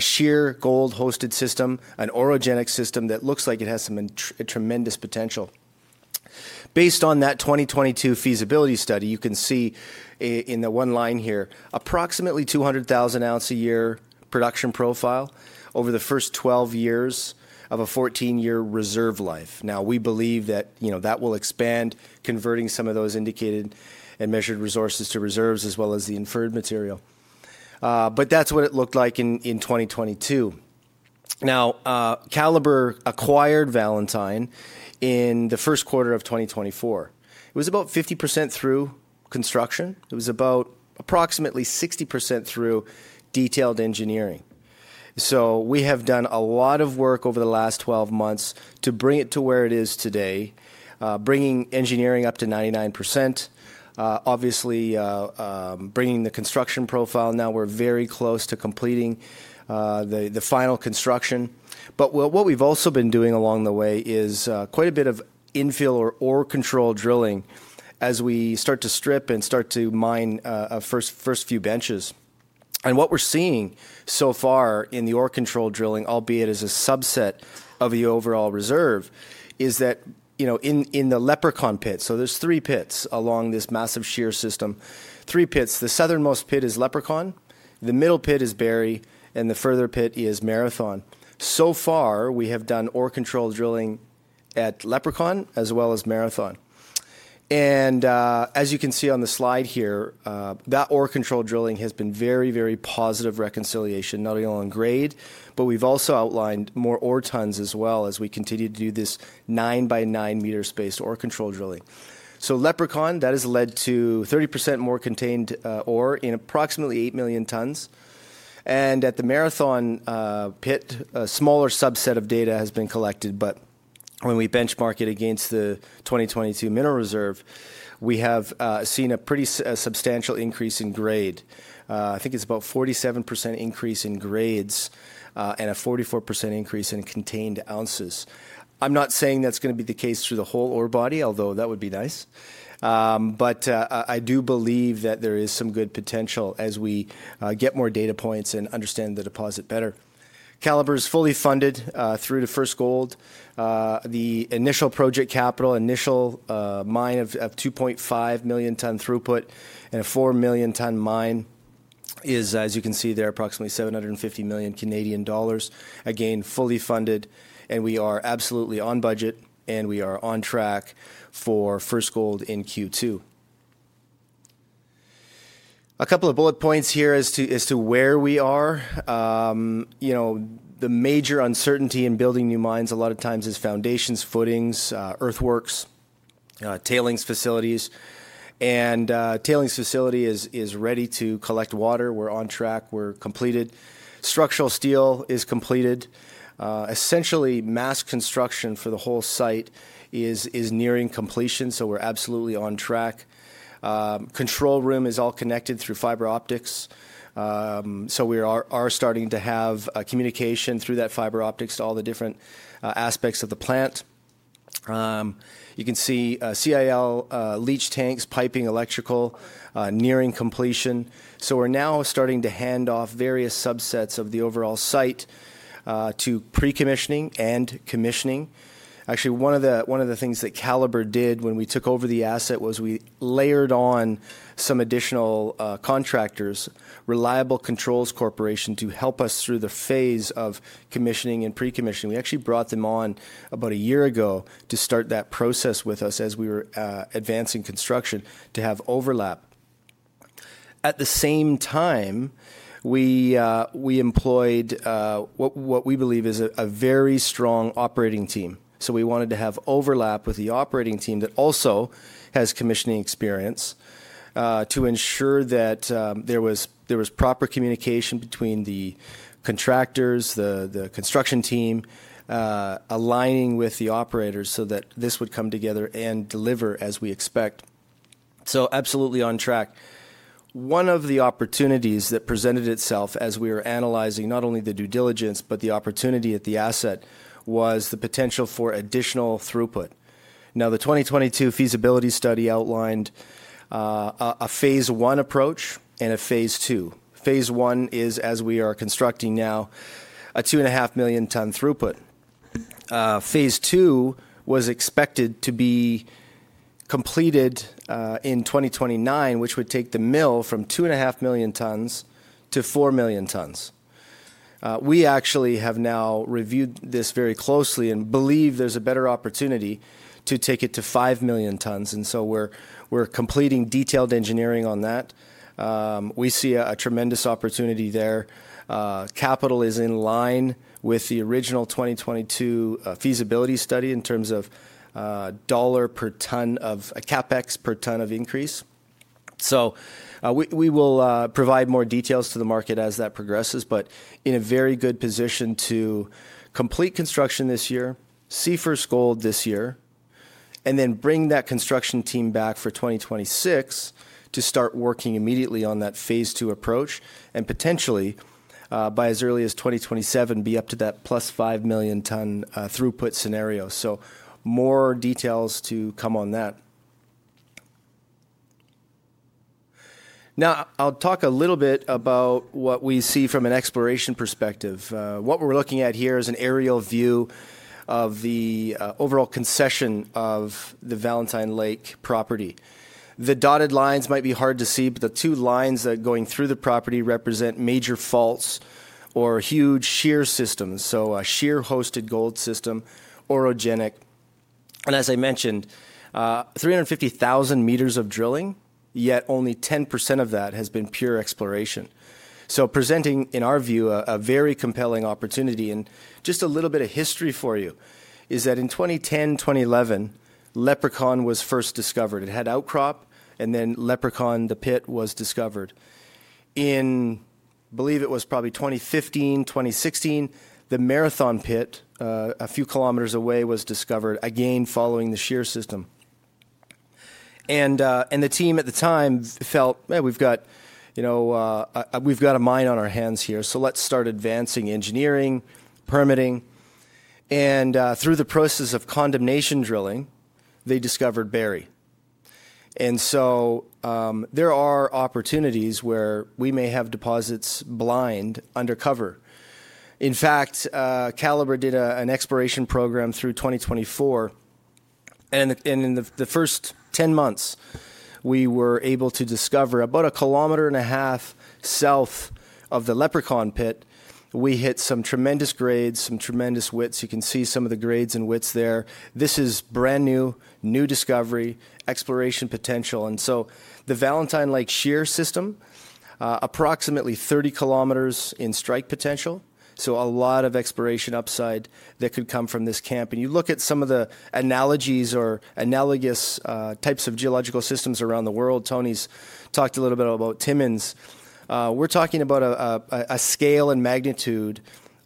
shear gold hosted system, an orogenic system that looks like it has some tremendous potential. Based on that 2022 feasibility study, you can see in the one line here approximately 200,000 ounce a year production profile over the first 12 years of a 14 year reserve life. Now we believe that that will expand, converting some of those indicated and measured resources to reserves as well as the inferred material. That is what it looked like in 2022. Now Calibre acquired Valentine in the first quarter of 2024. It was about 50% through construction. It was about approximately 60% through detailed engineering. We have done a lot of work over the last 12 months to bring it to where it is today, bringing engineering up to 99%, obviously bringing the construction profile. We are very close to completing the final construction. What we have also been doing along the way is quite a bit of infill or ore control drilling as we start to strip and start to mine first, first few benches. What we're seeing so far in the ore control drilling, albeit as a subset of the overall reserve, is that in the Leprechaun pit. There are three pits along this massive shear system. Three pits. The southernmost pit is Leprechaun, the middle pit is Barry, and the further pit is Marathon. So far we have done ore control drilling at Leprechaun as well as Marathon. As you can see on the slide here, that ore control drilling has been very, very positive. Reconciliation not only on grade, but we've also outlined more ore tons as well. As we continue to do this nine by nine meter spaced ore control drilling. Leprechaun has led to 30% more contained ore in approximately 8 million tons. At the Marathon pit, a smaller subset of data has been collected. When we benchmark it against the 2022 mineral reserve, we have seen a pretty substantial increase in grade. I think it's about a 47% increase in grades and a 44% increase in contained ounces. I'm not saying that's going to be the case through the whole ore body, although that would be nice. I do believe that there is some good potential as we get more data points and understand the deposit better. Calibre is fully funded through to first gold, the initial project capital, initial mine of 2.5 million ton throughput and a 4 million ton mine is, as you can see there, approximately 750 million Canadian dollars. Again, fully funded. We are absolutely on budget and we are on track for first gold in Q2. A couple of bullet points here as to where we are. You know, the major uncertainty in building new mines a lot of times is foundations, footings, earthworks, tailings facilities, and tailings facility is ready to collect water. We're on track, we're completed. Structural steel is completed, essentially mass construction for the whole site is nearing completion. We are absolutely on track. Control room is all connected through fiber optics. We are starting to have communication through that fiber optics to all the different aspects of the plant. You can see CIL, leach tanks, piping, electrical nearing completion. We are now starting to hand off various subsets of the overall site to pre commissioning and commissioning. Actually, one of the things that Calibre did when we took over the asset was we layered on some additional contractors, Reliable Controls Corporation, to help us through the phase of commissioning and pre commissioning. We actually brought them on about a year ago to start that process with us as we were advancing construction to have overlap at the same time. We employed what we believe is a very strong operating team. We wanted to have overlap with the operating team that also has commissioning experience to ensure that there was proper communication between the contractors, the construction team, aligning with the operators so that this would come together and deliver as we expect. Absolutely on track. One of the opportunities that presented itself as we were analyzing not only the due diligence, but the opportunity at the asset was the potential for additional throughput. The 2022 feasibility study outlined a phase one approach and a phase two. Phase one is, as we are constructing now, a 2.5 million ton throughput. Phase two was expected to be completed in 2029, which would take the mill from 2.5 million tons to 4 million tons. We actually have now reviewed this very closely and believe there is a better opportunity to take it to 5 million tons. We are completing detailed engineering on that. We see a tremendous opportunity there. Capital is in line with the original 2022 feasibility study in terms of dollar per ton of CapEx per ton of increase. We will provide more details to the market as that progresses, but in a very good position to complete construction this year, see first gold this year, and then bring that construction team back for 2026 to start working immediately on that phase two approach and potentially by as early as 2027, be up to that plus 5 million ton throughput scenario. More details to come on that. Now I'll talk a little bit about what we see from an exploration perspective. What we're looking at here is an aerial view of the overall concession of the Valentine lake property. The dotted lines might be hard to see, but the two lines going through the property represent major faults or huge shear systems. A shear hosted gold system, orogenic, and as I mentioned, 350,000 meters of drilling. Yet only 10% of that has been pure exploration, presenting in our view a very compelling opportunity. Just a little bit of history for you is that in 2010, 2011, Leprechaun was first discovered. It had outcrop and then Leprechaun, the pit, was discovered in, believe it was probably 2015, 2016. The Marathon pit a few kilometers away was discovered again following the shear system. The team at the time felt we've got, you know, we've got a mine on our hands here. Let's start advancing engineering, permitting. Through the process of condemnation drilling, they discovered Barry. There are opportunities where we may have deposits blind undercover. In fact, Calibre did an exploration program through 2024. In the first 10 months we were able to discover about a kilometer and a half south of the Leprechaun pit. We hit some tremendous grades, some tremendous widths. You can see some of the grades and widths there. This is brand new, new discovery exploration potential. The Valentine Lake shear system is approximately 30 kilometers in strike potential. There is a lot of exploration upside that could come from this camp and you look at some of the analogies or analogous types of geological systems around the world. Tony's talked a little bit about Timmins. We're talking about a scale and magnitude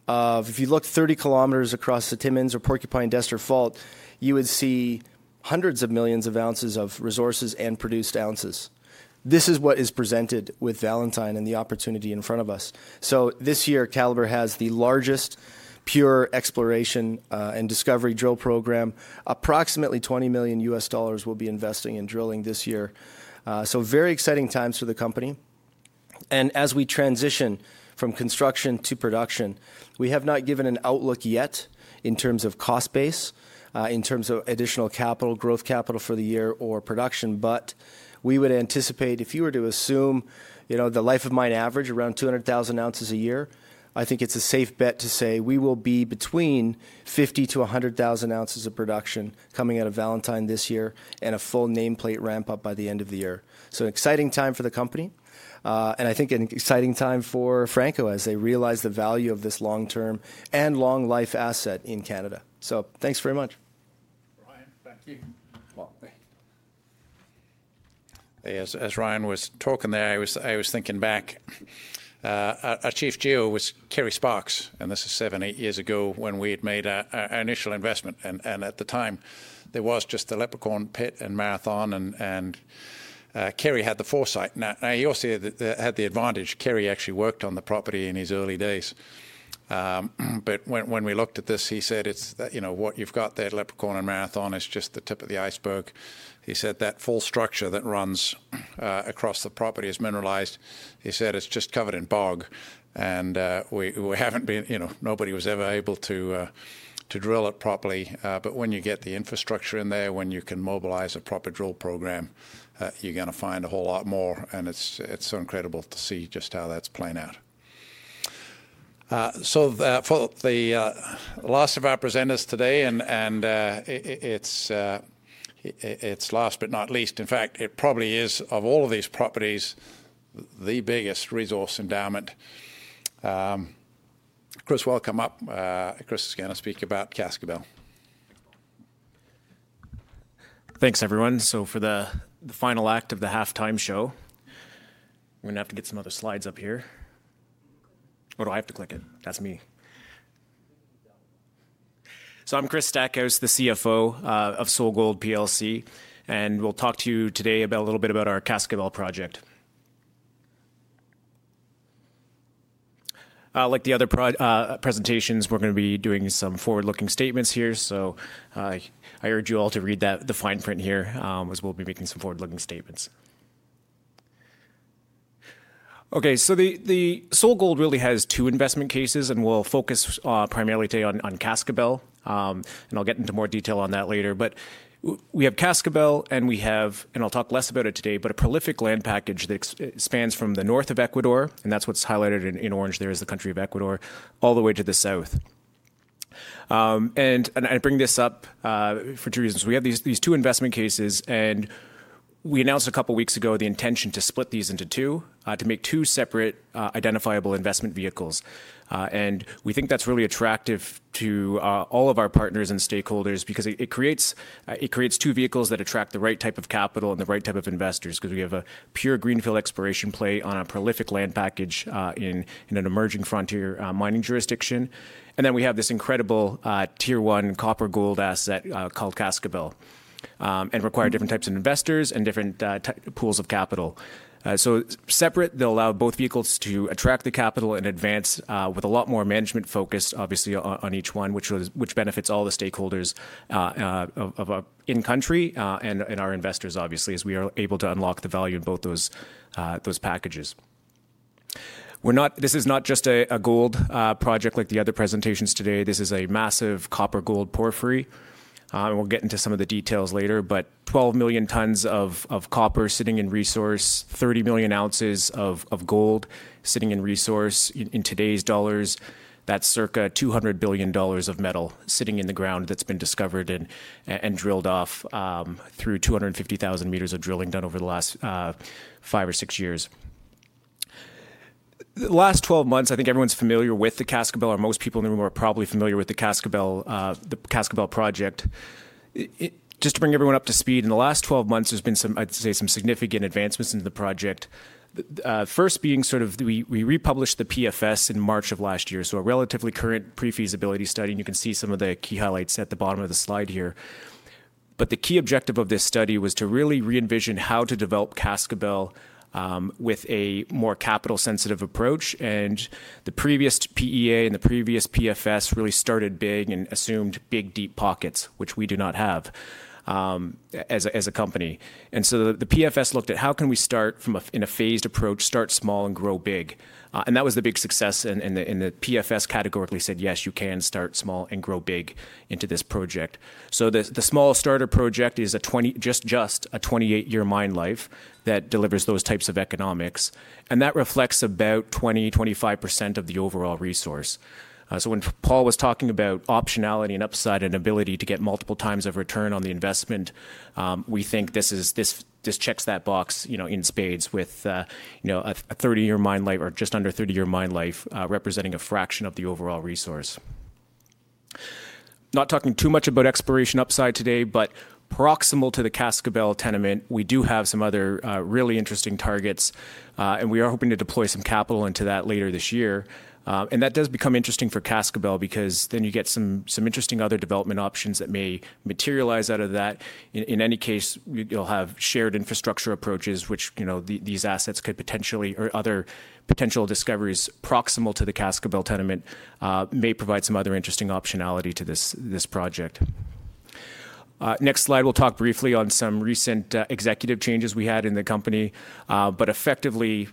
of if you look 30 km across the Timmins or Porcupine Destre fault, you would see hundreds of millions of ounces of resources and produced ounces. This is what is presented with Valentine and the opportunity in front of us. This year Calibre has the largest pure exploration and discovery drill program. Approximately $20 million will be investing in drilling this year. Very exciting times for the company. As we transition from construction to production, we have not given an outlook yet in terms of cost base, in terms of additional capital growth, capital for the year or production. We would anticipate if you were to assume the life of mine average around 200,000 ounces a year, I think it's a safe bet to say we will be between 50 ounces-100,000 ounces of production coming out of Valentine this year and a full nameplate ramp up by the end of the year. Exciting time for the company and I think an exciting time for Franco-Nevada as they realize the value of this long term and long life asset in Canada. Thanks very much. Ryan. Thank. You. As Ryan was talking there, I was thinking back. Our Chief Geologist was Kerry Sparks and this is seven, eight years ago when we had made our initial investment and at the time there was just the Leprechaun pit and Marathon. And Kerry had the foresight. Now he also had the advantage. Kerry actually worked on the property in his early days but when we looked at this he said it's that you know what you've got there, Leprechaun and Marathon is just the tip of the iceberg. He said that full structure that runs across the property is mineralized. He said it's just covered in bog and we haven't been, you know, nobody was ever able to drill it properly. When you get the infrastructure in there, when you can mobilize a proper drill program, you're going to find a whole lot more. It is so incredible to see just how that is playing out. For the last of our presenters today, and it is last but not least, in fact it probably is of all of these properties, the biggest resource endowment, Chris welcome up. Chris is going to speak about. Cascabel. Thanks everyone. For the final act of the halftime show, we're going to have to get some other slides up here. Oh, do I have to click it? That's me. I'm Chris Stackhouse, the CFO of SolGold, and we'll talk to you today about a little bit about our Cascabel project. Like the other presentations, we're going to be doing some forward looking statements here. I urge you all to read the fine print here as we'll be making some forward looking statements. Okay, SolGold really has two investment cases and we'll focus primarily today on Cascabel and I'll get into more detail on that later, but we have Cascabel and we have, and I'll talk less about it today, but a prolific land package that spans from the north of Ecuador and that's what's highlighted in orange there is the country of Ecuador all the way to the south. I bring this up for two reasons. We have these two investment cases and we announced a couple weeks ago the intention to split these into two to make two separate identifiable investment vehicles. We think that's really attractive to all of our partners and stakeholders because it creates two vehicles that attract the right type of capital and the right type of investors because we have a pure greenfield exploration play on a prolific land package in an emerging frontier mining jurisdiction. Then we have this incredible Tier 1 copper-gold asset called Cascabel and require different types of investors and different pools of capital. Separate, they'll allow both vehicles to attract the capital in advance with a lot more management focus obviously on each one, which benefits all the stakeholders in country and our investors obviously as we are able to unlock the value in both those packages. This is not just a gold project like the other presentations today. This is a massive copper-gold porphyry and we'll get into some of the details later. Twelve million tons of copper sitting in resource, 30 million ounces of gold sitting in resource. In today's dollars that's circa $200 billion of metal sitting in the ground that's been discovered and drilled off through 250,000 meters of drilling done over the last five or six years. The last 12 months. I think everyone's familiar with the Cascabel or most people in the room are probably familiar with the Cascabel project. Just to bring everyone up to speed, in the last 12 months there's been some, I'd say some significant advancements in the project. First being sort of. We republished the PFS in March of last year. So a relatively current pre feasibility study and you can see some of the key highlights at the bottom of the slide here. The key objective of this study was to really re-envision how to develop Cascabel with a more capital-sensitive approach. The previous PEA and the previous PFS really started big and assumed big deep pockets, which we do not have as a company. The PFS looked at how we can start from, in a phased approach, start small and grow big. That was the big success. The PFS categorically said yes, you can start small and grow big into this project. The small starter project is just a 28-year mine life that delivers those types of economics, and that reflects about 20%-25% of the overall resource. When Paul was talking about optionality and upside and ability to get multiple times of return on the investment, we think this checks that box in spades with a 30 year mine life or just under 30 year mine life representing a fraction of the overall resource. Not talking too much about exploration upside today, but proximal to the Cascabel tenement we do have some other really interesting targets and we are hoping to deploy some capital into that later this year. That does become interesting for Cascabel because then you get some interesting other development options that may materialize out of that. In any case you'll have shared infrastructure approaches which these assets could potentially or other potential discoveries proximal to the Cascabel tenement may provide some other interesting optionality to this project. Next slide, we'll talk briefly on some recent executive changes we had in the company. Effectively,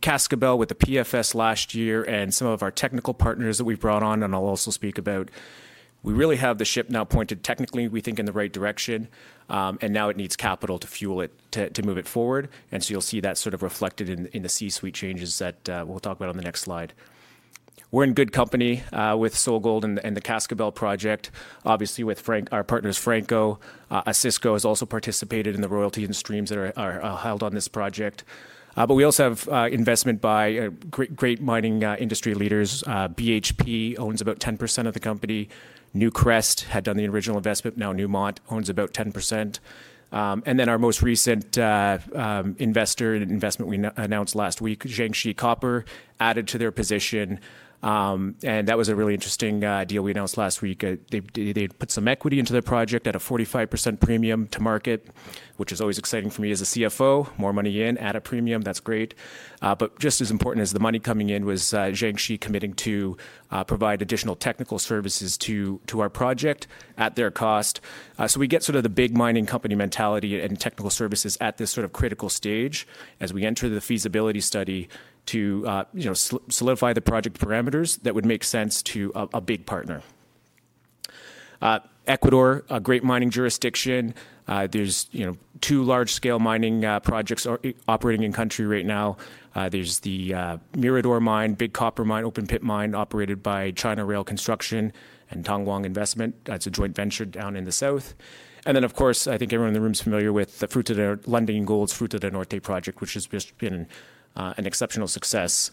Cascabel with the PFS last year and some of our technical partners that we've brought on and I'll also speak about, we really have the ship now pointed technically we think in the right direction and now it needs capital to fuel it, to move it forward. You'll see that sort of reflected in the C-suite changes that we'll talk about on the next slide. We're in good company with SolGold and the Cascabel project, obviously with our partners. Franco-Nevada has also participated in the royalties and streams that are held on this project. We also have investment by great mining industry leaders. BHP owns about 10% of the company. Newcrest had done the original investment. Now Newmont owns about 10%. Our most recent investor investment we announced last week, Jiangxi Copper added to their position and that was a really interesting deal. We announced last week, they put some equity into the project at a 45% premium to market, which is always exciting for me as a CFO. More money in at a premium. That's great. Just as important as the money coming in was Jiangxi committing to provide additional technical services to our project at their cost. We get sort of the big mining company mentality and technical services at this sort of critical stage as we enter the feasibility study to solidify the project parameters that would make sense to a big partner. Ecuador, a great mining jurisdiction. There's, you know, two large scale mining projects operating in country right now. There's the Mirador mine, big copper mine, open pit mine operated by China Rail Construction and Tongguan Investment. That's a joint venture down in the south. I think everyone in the room is familiar with the Fruta del Norte project, which has just been an exceptional success.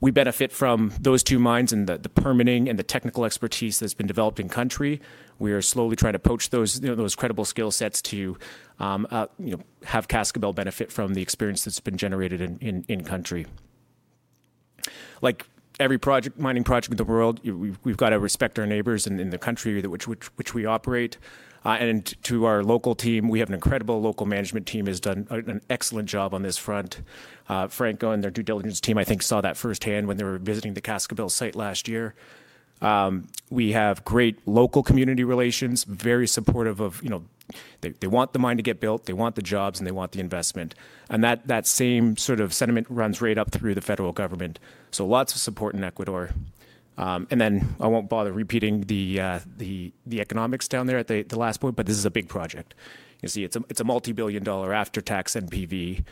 We benefit from those two mines and the permitting and the technical expertise that's been developed in country. We are slowly trying to poach those, those credible skill sets to, you know, have Cascabel benefit from the experience that's been generated in country. Like every project, mining project in the world, we've got to respect our neighbors and the country which we operate. To our local team, we have an incredible local management team, has done an excellent job on this front. Franco and their due diligence team, I think saw that firsthand when they were visiting the Cascabel site last year. We have great local community relations, very supportive of, you know, they want the mine to get built, they want the jobs and they want the investment and that, that same sort of sentiment runs right up through the federal government. Lots of support in Ecuador and I won't bother repeating the economics down there at the last point, but this is a big project, you see, it's a multi billion dollar after tax NPV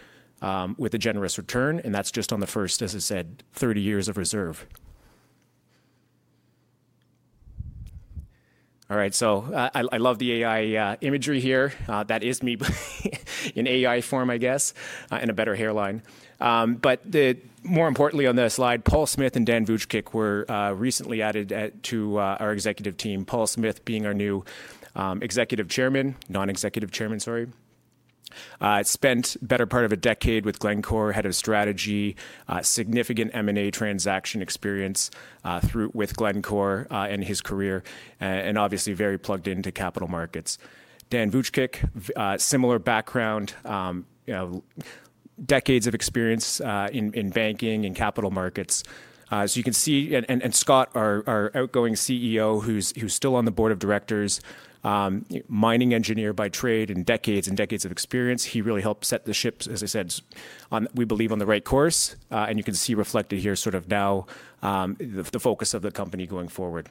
with a generous return. That's just on the first, as I said, 30 years of reserve. All right, I love the AI imagery here. That is me in AI form I guess, and a better hairline. More importantly on the slide, Paul Smith and Dan Vuchkic were recently added to our executive team. Paul Smith, being our new Executive Chairman, Non-Executive Chairman, sorry, spent better part of a decade with Glencore, head of strategy, significant M&A transaction experience with Glencore and his career and obviously very plugged into capital markets. Dan Vuchkic, similar background, decades of experience in banking and capital markets, as you can see. Scott, our outgoing CEO who's still on the board of directors, mining engineer by trade and decades and decades of experience. He really helped set the ships as I said, we believe on the right course. You can see reflected here sort of now the focus of the company going forward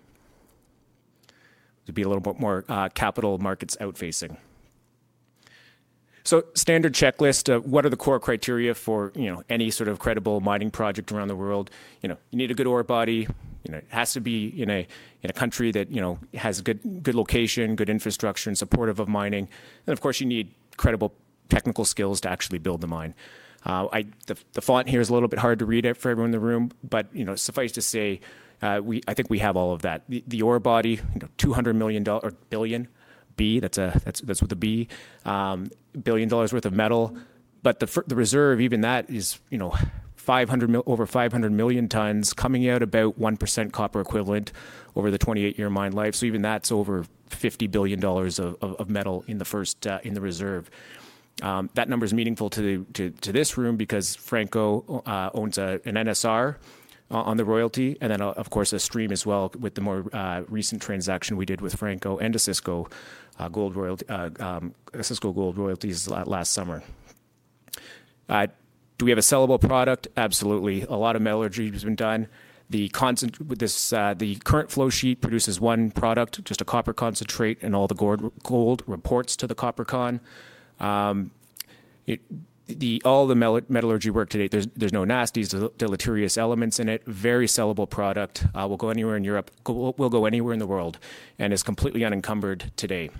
to be a little bit more capital markets out facing. Standard checklist. What are the core criteria for, you know, any sort of credible mining project around the world? You know you need a good ore body. You know, it has to be in a, in a country that, you know, has good, good location, good infrastructure, and supportive of mining. Of course you need credible technical skills to actually build the mine. The font here is a little bit hard to read for everyone in the room, but you know, suffice to say we, I think we have all of that: the ore body, you know, $200 million or billion, B, that's a, that's, that's with a B, billion dollars worth of metal, but the reserve even that is, you know, over 500 million tons coming out about 1% copper equivalent over the 28 year mine life. Even that's over $50 billion of metal in the first in the reserve. That number is meaningful to this room because Franco owns an NSR on the royalty and then of course a stream as well. With the more recent transaction we did with Franco and Osisko Gold Royalties last summer. Do we have a sellable product? Absolutely. A lot of metallurgy has been done. The current flow sheet produces one product, just a copper concentrate and all the gold reports to the copper con, all the metallurgy work to date, there's no nasty deleterious elements in it. Very sellable product will go anywhere in Europe, will go anywhere in the world and is completely unencumbered today.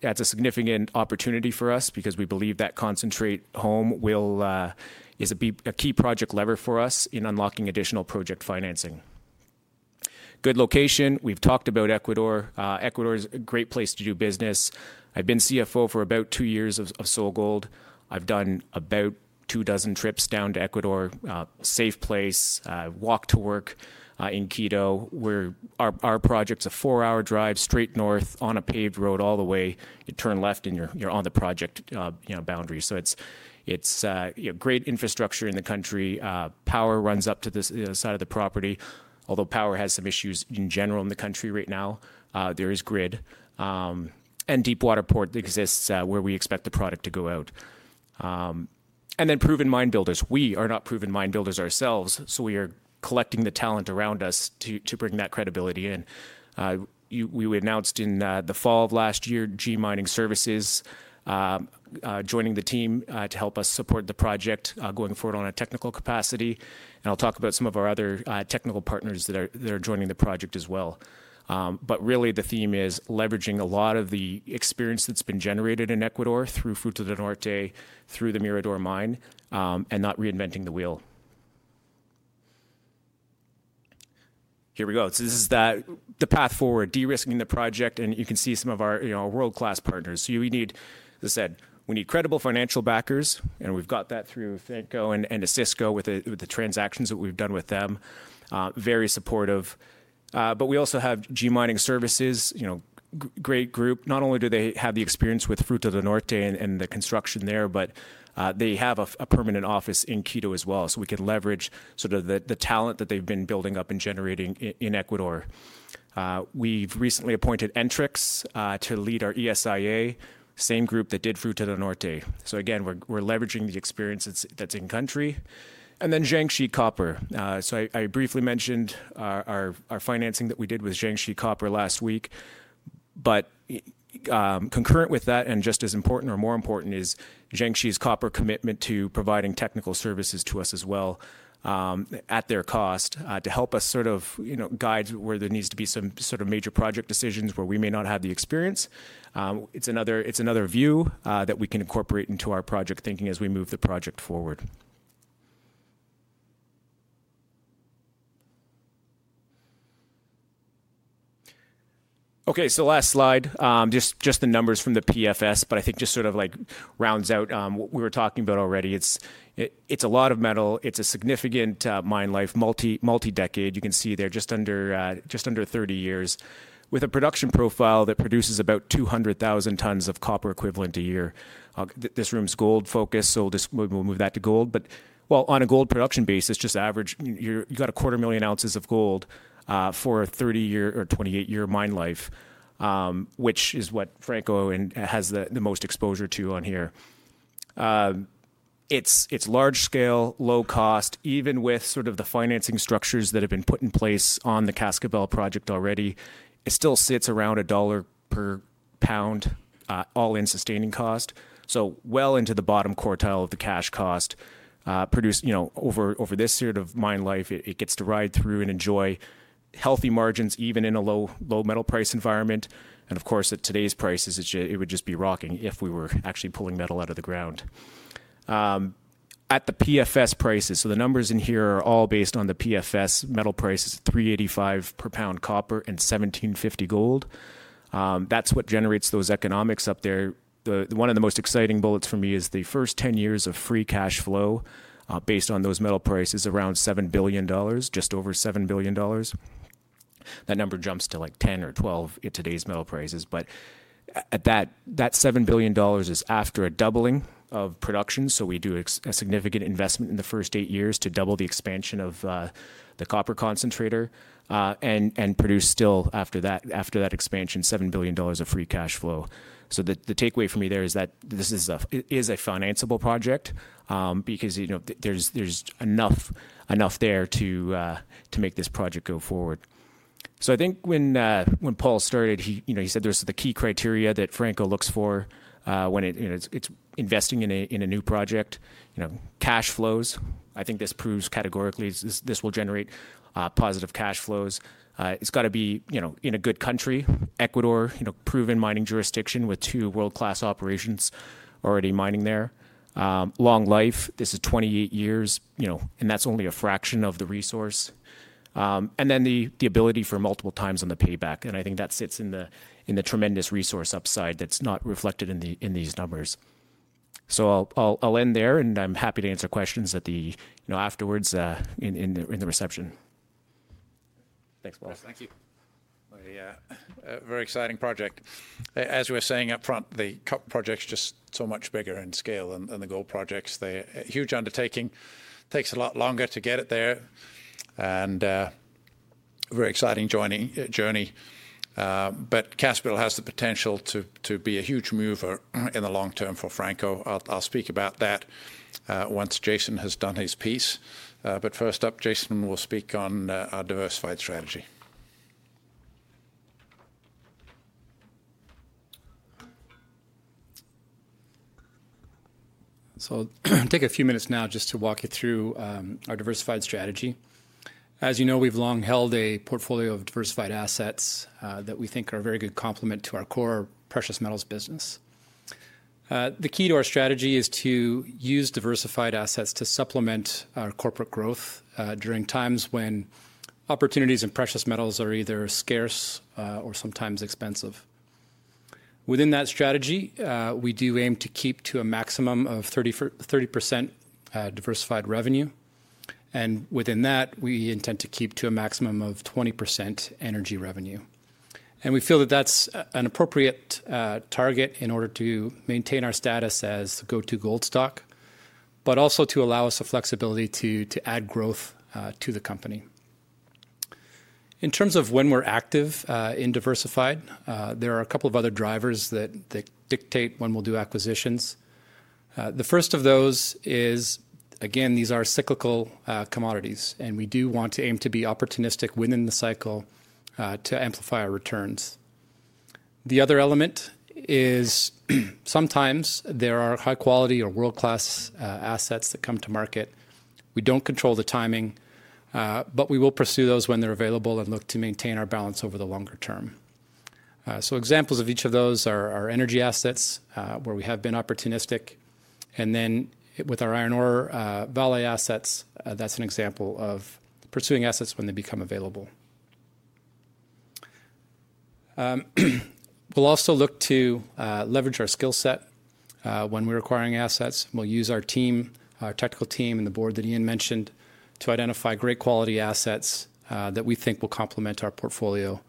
That's a significant opportunity for us because we believe that concentrate home will is a key project lever for us in unlocking additional project financing. Good location. We've talked about Ecuador. Ecuador is a great place to do business. I've been CFO for about two years of SolGold. I've done about two dozen trips down to Ecuador. Safe place. Walk to work. In Quito where our project's a four hour drive straight north on a paved road all the way you turn left and you're on the project boundary. It is great infrastructure in the country. Power runs up to this side of the property although power has some issues in general in the country right now there is grid and deep water port exists where we expect the product to go out and then proven mine builders. We are not proven mine builders ourselves. We are collecting the talent around us to bring that credibility in. We announced in the fall of last year G Mining Services joining the team to help us support the project going forward on a technical capacity. I'll talk about some of our other technical partners that are joining the project as well. Really the theme is leveraging a lot of the experience that's been generated in Ecuador through Fruta del Norte, through the Mirador Mine and not reinventing the. Here we. Go. This is the path forward de-risking the project. You can see some of our world-class partners. As I said, we need credible financial backers and we've got that through Franco-Nevada and Osisko with the transactions that we've done with them. Very supportive. We also have G Mining Services. Great group. Not only do they have the experience with Fruta del Norte and the construction there, but they have a permanent office in Quito as well. We could leverage the talent that they've been building up and generating in Ecuador. We've recently appointed ENTRIX to lead our ESIA, same group that did Fruta del Norte. Again, we're leveraging the experience that's in country and then Jiangxi Copper. I briefly mentioned our financing that we did with Jiangxi Copper last week. Concurrent with that and just as important or more important is Jiangxi's Copper commitment to providing technical services to us as well at their cost to help us sort of, you know, guide where there needs to be some sort of major project decisions where we may not have the experience. It's another view that we can incorporate into our project thinking as we move the project forward. Okay, last slide. Just the numbers from the PFS but I think just sort of like rounds out what we were talking about already. It's a lot of metal. It's a significant mine life, multi, multi decade. You can see there just under 30 years with a production profile that produces about 200,000 tons of copper equivalent a year. This room's gold focused so we'll move that to gold. On a gold production basis, just average, you got a quarter million ounces of gold for a 30-year or 28-year mine life, which is what Franco-Nevada has the most exposure to on here. It is large scale, low cost. Even with sort of the financing structures that have been put in place on the Cascabel project already, it still sits around $1 per pound all-in sustaining cost, so well into the bottom quartile of the cash cost produced. You know, over this year of mine life, it gets to ride through and enjoy healthy margins even in a low, low metal price environment. Of course, at today's prices it would just be rocking if we were actually pulling metal out of the ground at the PFS prices. The numbers in here are all based on the PFS metal price is $3.85 per pound copper and $1,750 gold. That's what generates those economics up there. One of the most exciting bullets for me is the first 10 years of free cash flow based on those metal prices around $7 billion, just over $7 billion. That number jumps to like $10 billion or $12 billion at today's metal prices. That $7 billion is after a doubling of production. We do a significant investment in the first eight years to double the expansion of the copper concentrator and produce. Still after that expansion, $7 billion of free cash flow. The takeaway for me there is that this is a financeable project because there's enough there to make this project go forward. I think when Paul started, he said there's the key criteria that Franco looks for when it's investing in a new project. You know, cash flows. I think this proves categorically this will generate positive cash flows. It's got to be, you know, in a good country, Ecuador, you know, proven mining jurisdiction with two world class operations already mining there. Long life. This is 28 years, you know, and that's only a fraction of the resource. And then the ability for multiple times on the payback. I think that sits in the tremendous resource upside that's not reflected in these numbers. I'll end there and I'm happy to answer questions afterwards. Reception. Thanks. Paul. Thank you. Very exciting project. As we're saying up front, the project's just so much bigger in scale and the gold projects, they're a huge undertaking. Takes a lot longer to get it there and very exciting journey. Casper has the potential to be a huge mover in the long term for Franco-Nevada. I'll speak about that once Jason has done his piece. First up, Jason will speak on our diversified. Strategy. Take a few minutes now just to walk you through our diversified strategy. As you know, we've long held a portfolio of diversified assets that we think are a very good complement to our core precious metals business. The key to our strategy is to use diversified assets to supplement our corporate growth during times when opportunities in precious metals are either scarce or sometimes expensive. Within that strategy, we do aim to keep to a maximum of 30% diversified revenue. Within that, we intend to keep to a maximum of 20% in energy revenue. We feel that that's an appropriate target in order to maintain our status as go to gold stock, but also to allow us the flexibility to add growth to the company. In terms of when we're active in diversified, there are a couple of other drivers that dictate when we'll do acquisitions. The first of those is again, these are cyclical commodities and we do want to aim to be opportunistic within the cycle to amplify our returns. The other element is sometimes there are high quality or world class assets that come to market. We don't control the timing, but we will pursue those when they're available and look to maintain our balance over the longer term. Examples of each of those are energy assets where we have been opportunistic and then with our iron ore Vale assets. That's an example of pursuing assets when they become available. We'll also look to leverage our skill set when we're acquiring assets, we'll use our team, our technical team and the board that Eaun mentioned to identify great quality assets that we think will complement our portfolio.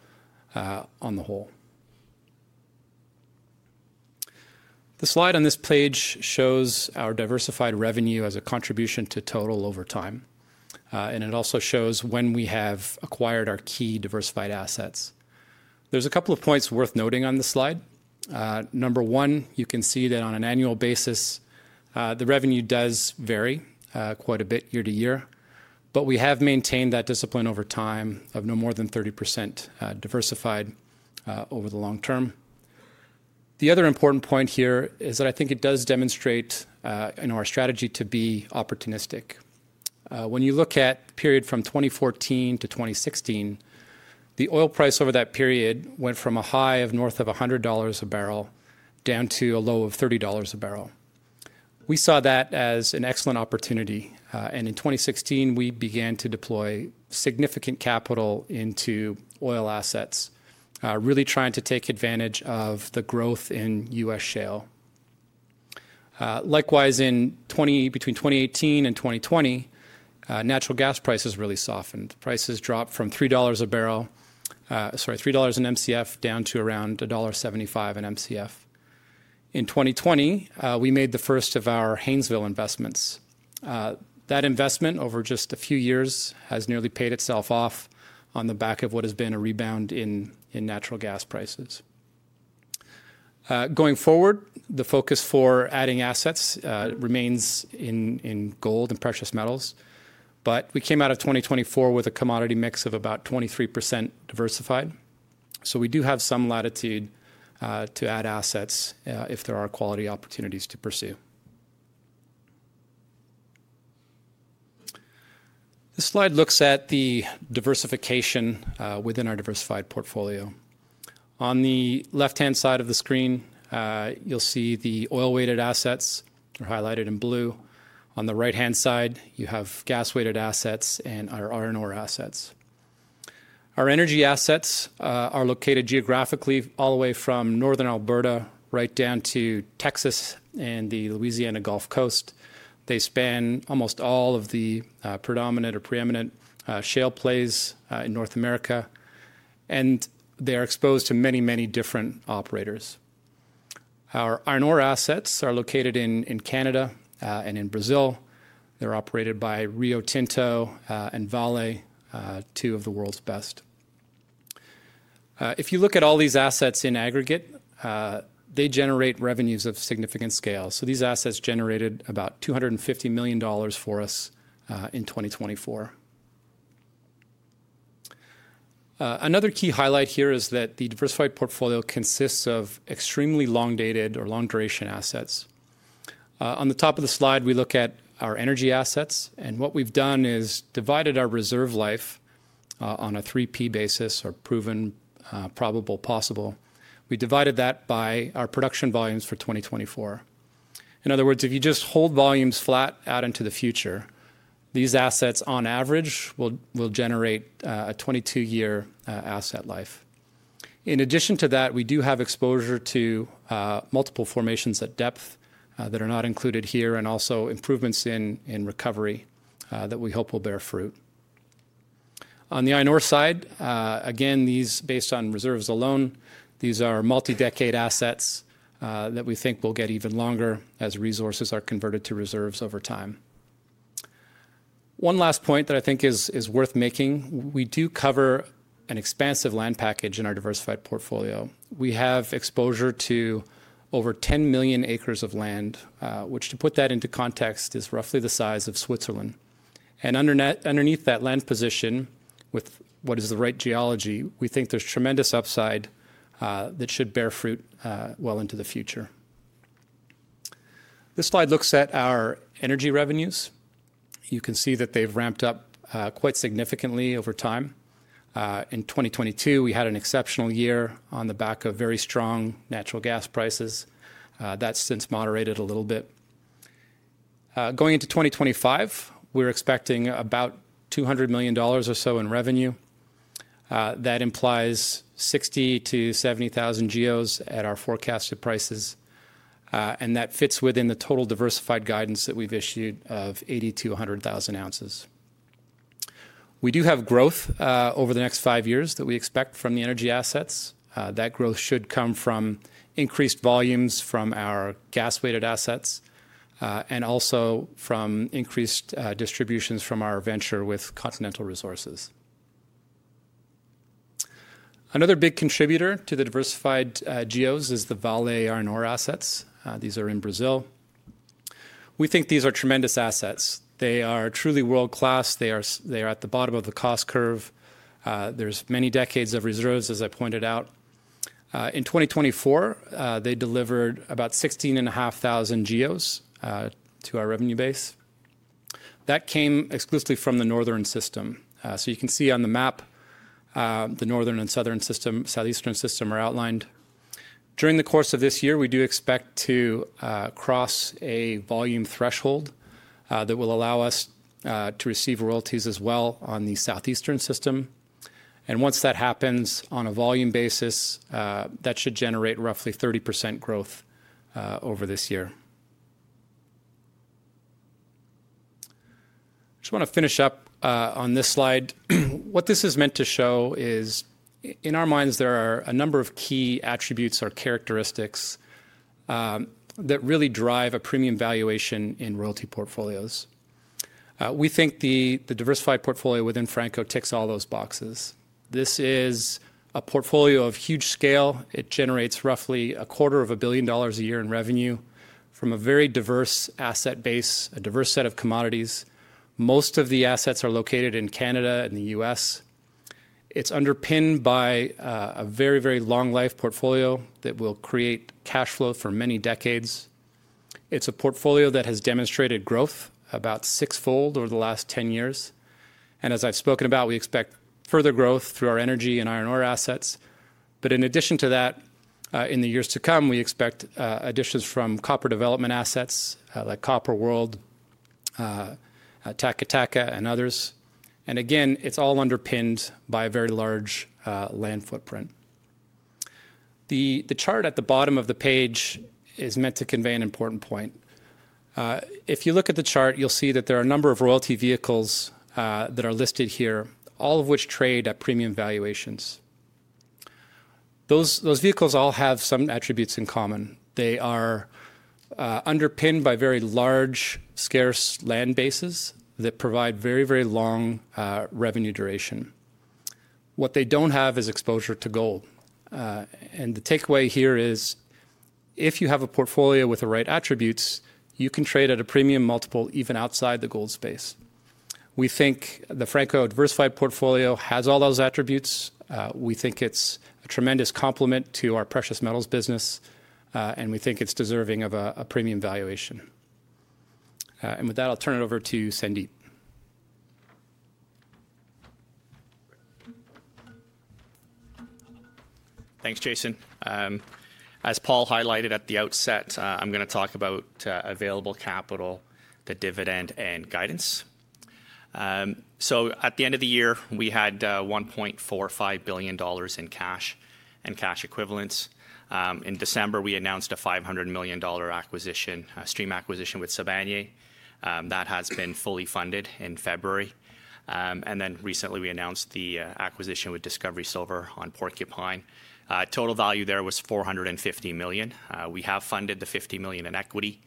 On the whole, the slide on this page shows our diversified revenue as a contribution to total over time. It also shows when we have acquired our key diversified assets. There's a couple of points worth noting on the slide. Number one, you can see that on an annual basis, the revenue does vary quite a bit year to year. We have maintained that discipline over time of no more than 30% diversified over the long term. The other important point here is that I think it does demonstrate in our strategy to be opportunistic. When you look at the period from 2014 to 2016, the oil price over that period went from a high of north of $100 a barrel down to a low of $30 a barrel. We saw that as an excellent opportunity. In 2016 we began to deploy significant capital into oil assets, really trying to take advantage of the growth in U.S. shale. Likewise, between 2018 and 2020, natural gas prices really softened. Prices dropped from $3 an MCF, sorry, $3 in MCF down to around $1.75 in MCF. In 2020, we made the first of our Haynesville investments. That investment over just a few years has nearly paid itself off on the back of what has been a rebound in natural gas prices. Going forward, the focus for adding assets remains in gold and precious metals. We came out of 2024 with a commodity mix of about 23% diversified. We do have some latitude to add assets if there are quality opportunities to pursue. This slide looks at the diversification within our diversified portfolio. On the left hand side of the screen you'll see the oil weighted assets are highlighted in blue. On the right hand side you have gas weighted assets and our iron ore assets. Our energy assets are located geographically all the way from northern Alberta right down to Texas and the Louisiana Gulf Coast. They span almost all of the predominant or preeminent shale plays in North America and they are exposed to many different operators. Our iron ore assets are located in Canada and in Brazil. They're operated by Rio Tinto and Vale, two of the world's best. If you look at all these assets in aggregate, they generate revenues of significant scale. These assets generated about $250 million for us in 2024. Another key highlight here is that the diversified portfolio consists of extremely long-dated or long-duration assets. At the top of the slide we look at our energy assets and what we have done is divided our reserve life on a 3P basis, or proven, probable, possible. We divided that by our production volumes for 2024. In other words, if you just hold volumes flat out into the future, these assets on average will generate a 22 year asset life. In addition to that, we do have exposure to multiple formations at depth that are not included here. Also, improvements in recovery that we hope will bear fruit on the I north side. Again, these are based on reserves alone. These are multi decade assets that we think will get even longer as resources are converted to reserves over time. One last point that I think is worth making. We do cover an expansive land package. In our diversified portfolio we have exposure to over 10 million acres of land which to put that into context is roughly the size of Switzerland. Underneath that land position with what is the right geology, we think there's tremendous upside that should bear fruit well into the future. This slide looks at our energy revenues. You can see that they've ramped up quite significantly over time. In 2022 we had an exceptional year on the back of very strong natural gas prices that's since moderated a little bit. Going into 2025 we're expecting about $200 million or so in revenue. That implies 60,000 GEOs-70,000 GEOs at our forecasted prices. That fits within the total diversified guidance that we have issued of 80,000 ounces-100,000 ounces. We do have growth over the next five years that we expect from the energy assets. That growth should come from increased volumes from our gas-weighted assets and also from increased distributions from our venture with Continental Resources. Another big contributor to the diversified GEOs is the Vale R and R assets. These are in Brazil. We think these are tremendous assets. They are truly world class. They are at the bottom of the cost curve. There are many decades of reserves. As I pointed out, in 2024 they delivered about 16,500 GEOs to our revenue base that came exclusively from the Northern system. You can see on the map the Northern and Southern system, Southeastern system are outlined. During the course of this year we do expect to cross a volume threshold that will allow us to receive royalties as well on the Southeastern system. Once that happens on a volume basis that should generate roughly 30% growth over this year. I just want to finish up on this slide. What this is meant to show is in our minds there are a number of key attributes or characteristics that really drive a premium valuation in royalty portfolios. We think the diversified portfolio within Franco-Nevada ticks all those boxes. This is a portfolio of huge scale. It generates roughly a quarter of a billion dollars a year in revenue from a very diverse asset base, a diverse set of commodities. Most of the assets are located in Canada and the U.S. It's underpinned by a very, very long life portfolio that will create cash flow for many decades. It's a portfolio that has demonstrated growth about sixfold over the last 10 years. As I've spoken about, we expect further growth through our energy and iron ore assets. In addition to that, in the years to come we expect additions from copper development assets like Copper World, Takatakka and others. Again, it's all underpinned by a very large land footprint. The chart at the bottom of the page is meant to convey an important point. If you look at the chart, you'll see that there are a number of royalty vehicles that are listed here, all of which trade at premium valuations. Those vehicles all have some attributes in common. They are underpinned by very large scarce land bases that provide very, very long revenue duration. What they do not have is exposure to gold. The takeaway here is if you have a portfolio with the right attributes, you can trade at a premium multiple even outside the gold space. We think the Franco diversified portfolio has all those attributes. We think it is a tremendous complement to our precious metals business and we think it is deserving of a premium valuation. With that I will turn it over to Sandip. Thanks, Jason. As Paul highlighted at the outset, I'm going to talk about available capital, the dividend and guidance. At the end of the year we had $1.45 billion in cash and cash equivalents. In December we announced a $500 million stream acquisition with Sibanye-Stillwater that has been fully funded in February. Recently we announced the acquisition with Discovery Silver on Porcupine. Total value there was $450 million. We have funded the $50 million in equity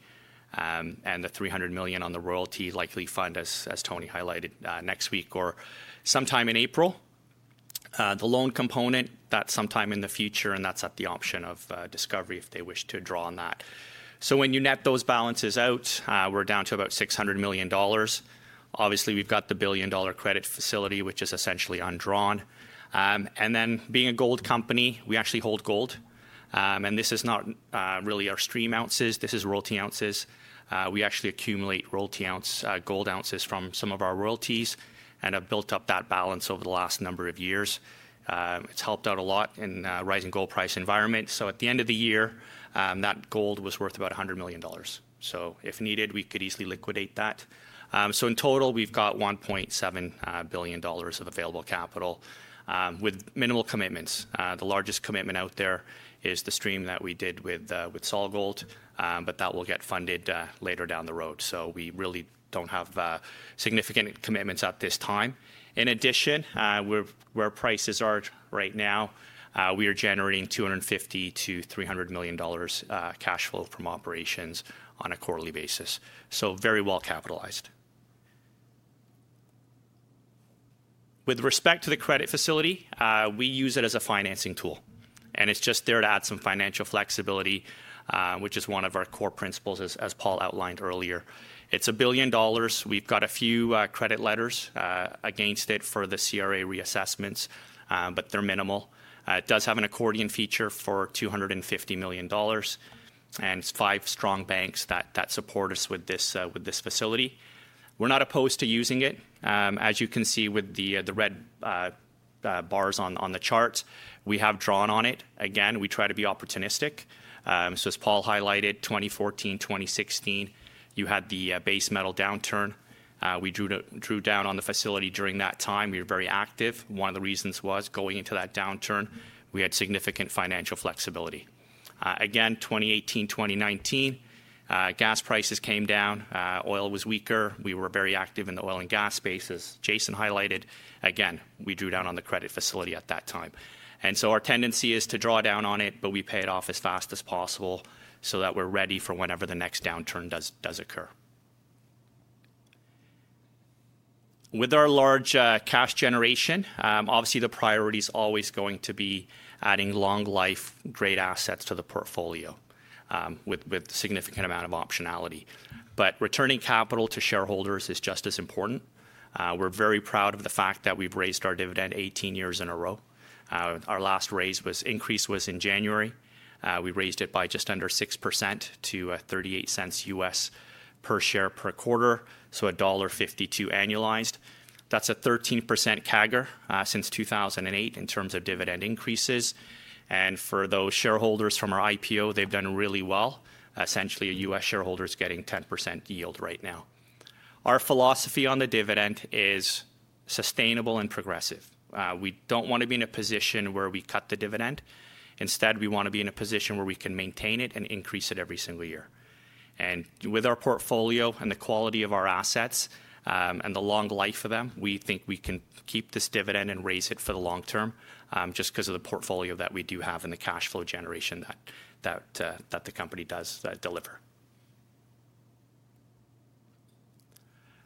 and the $300 million on the royalty, likely fund as Tony highlighted next week or sometime in April, the loan component that sometime in the future and that's at the option of Discovery if they wish to draw on that. When you net those balances out, we're down to about $600 million. Obviously we've got the billion dollar credit facility which is essentially undrawn and then being a gold company, we actually hold gold and this is not really our stream ounces, this is royalty ounces. We actually accumulate royalty ounce gold ounces from some of our royalties and have built up that balance over the last number of years. It's helped out a lot in rising gold price environment. At the end of the year that gold was worth about $100 million. If needed we could easily liquidate that. In total we've got $1.7 billion of available capital with minimal commitments. The largest commitment out there is the stream that we did with SolGold but that will get funded later, later down the road. We really don't have significant commitments at this time. In addition, where prices are right now we are generating $250 million to $300 million cash flow from operations on a quarterly basis. So very well capitalized. With respect to the credit facility, we use it as a financing tool and it's just there to add some financial flexibility, which is one of our core principles. As Paul outlined earlier, it's $1 billion. We've got a few credit letters against it for the CRA reassessments, but they're minimal. It does have an accordion feature for $250 million and five strong banks that support us with this facility. We're not opposed to using it as you can see with the red bars on the chart we have drawn on it. Again, we try to be opportunistic. As Paul highlighted, 2014, 2016, you had the base metal downturn. We drew down on the facility during that time we were very active. One of the reasons was going into that downturn we had significant financial flexibility. Again, 2018, 2019, gas prices came down, oil was weaker. We were very active in the oil and gas space as Jason highlighted. Again, we drew down on the credit facility at that time and so our tendency is to draw down on it, but we pay it off as fast as possible so that we're ready for whenever the next downturn does occur. With our large cash generation, obviously the priority is always going to be adding long life great assets to the portfolio with significant amount of optionality. Returning capital to shareholders is just as important. We're very proud of the fact that we've raised our dividend 18 years in a row. Our last raise increase was in January. We raised it by just under 6% to $0.38 US per share per quarter. $1.52 annualized. That's a 13% CAGR since 2008 in terms of dividend increases. For those shareholders from our IPO, they've done really well. Essentially U.S. shareholders getting 10, 10% yield right now. Our philosophy on the dividend is sustainable and progressive. We don't want to be in a position where we cut the dividend. Instead we want to be in a position where we can maintain it and increase it every single year. With our portfolio and the quality of our assets and the long life of them, we think we can keep this dividend and raise it for the long term just because of the portfolio that we do have and the cash flow generation that comes that the company does deliver.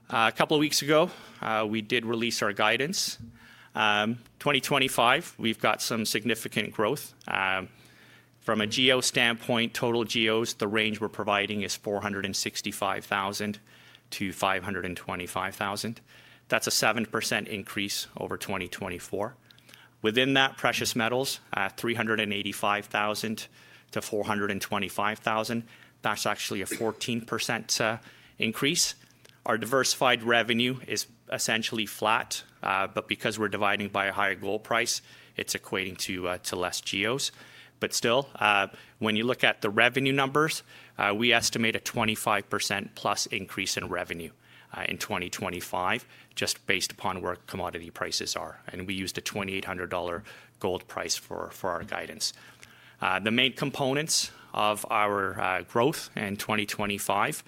A couple of weeks ago we did release our guidance 2025. We've got some significant growth from a GEO standpoint. Total GEOs, the range we're providing is 465,000-525,000. That's a 7% increase over 2024. Within that precious metals, 385,000-425,000. That's actually a 14% increase. Our diversified revenue is essentially flat because we're dividing by a higher gold price, it's equating to less GEOs. Still, when you look at the revenue numbers, we estimate a 25%+ increase in revenue in 2025 just based upon where commodity prices are. We used a $2,800 gold price for our guidance. The main components of our growth in 2025,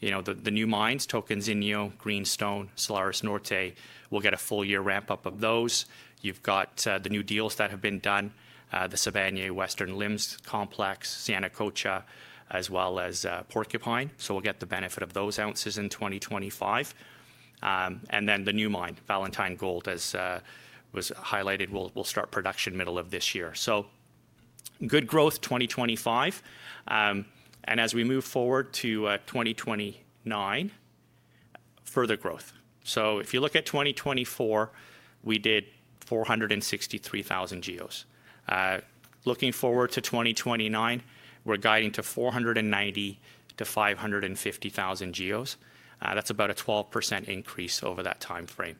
you know the new mines, Tocantinzinho, Greenstone, Solaris Norte, we'll get a full year ramp up of those. You've got the new deals that have been done. The Sibanye-Stillwater Western Limb Complex, Yanacocha as well as Porcupine. We'll get the benefit of those ounces in 2024 and then the new mine Valentine Gold, as was highlighted, will start production middle of this year. Good growth 2025 and as we move forward to 2029, further growth. If you look at 2024, we did 463,000 GEOs. Looking forward to 2029, we're guiding to 490,000 GEOs-550,000 GEOs. That's about a 12% increase over that time frame.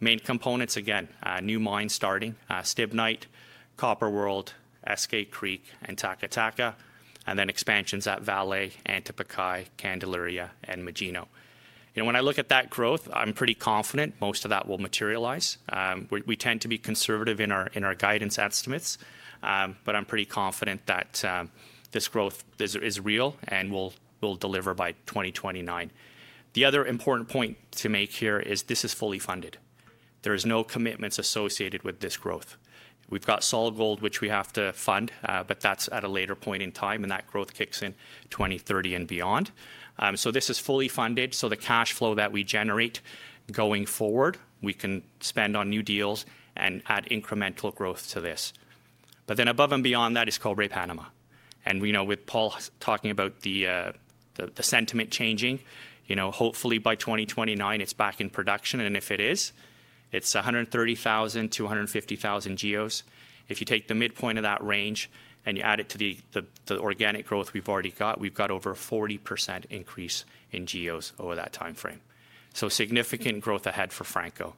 Main components again, new mines starting Stibnite, Copper World, Eskay Creek and Takatakka, and then expansions at Vale, Antapaccay, Candelaria and Magino. When I look at that growth, I'm pretty confident most of that will materialize. We tend to be conservative in our guidance estimates, but I'm pretty confident that this growth is real and will deliver by 2029. The other important point to make here is this is fully funded. There is no commitments associated with this growth. We've got solid gold which we have to fund but that's at a later point in time and that growth kicks in 2030 and beyond. This is fully funded. The cash flow that we generate going forward we can spend on new deals and add incremental growth to this. Above and beyond that is Cobre Panama. We know with Paul talking about the sentiment changing, hopefully by 2029 it's back in production and if it is it's 130,000 GEOs-250,000 GEOs. If you take the midpoint of that range and you add it to the organic growth we've already got, we've got over a 40% increase in GEOs over that timeframe. Significant growth ahead for Franco.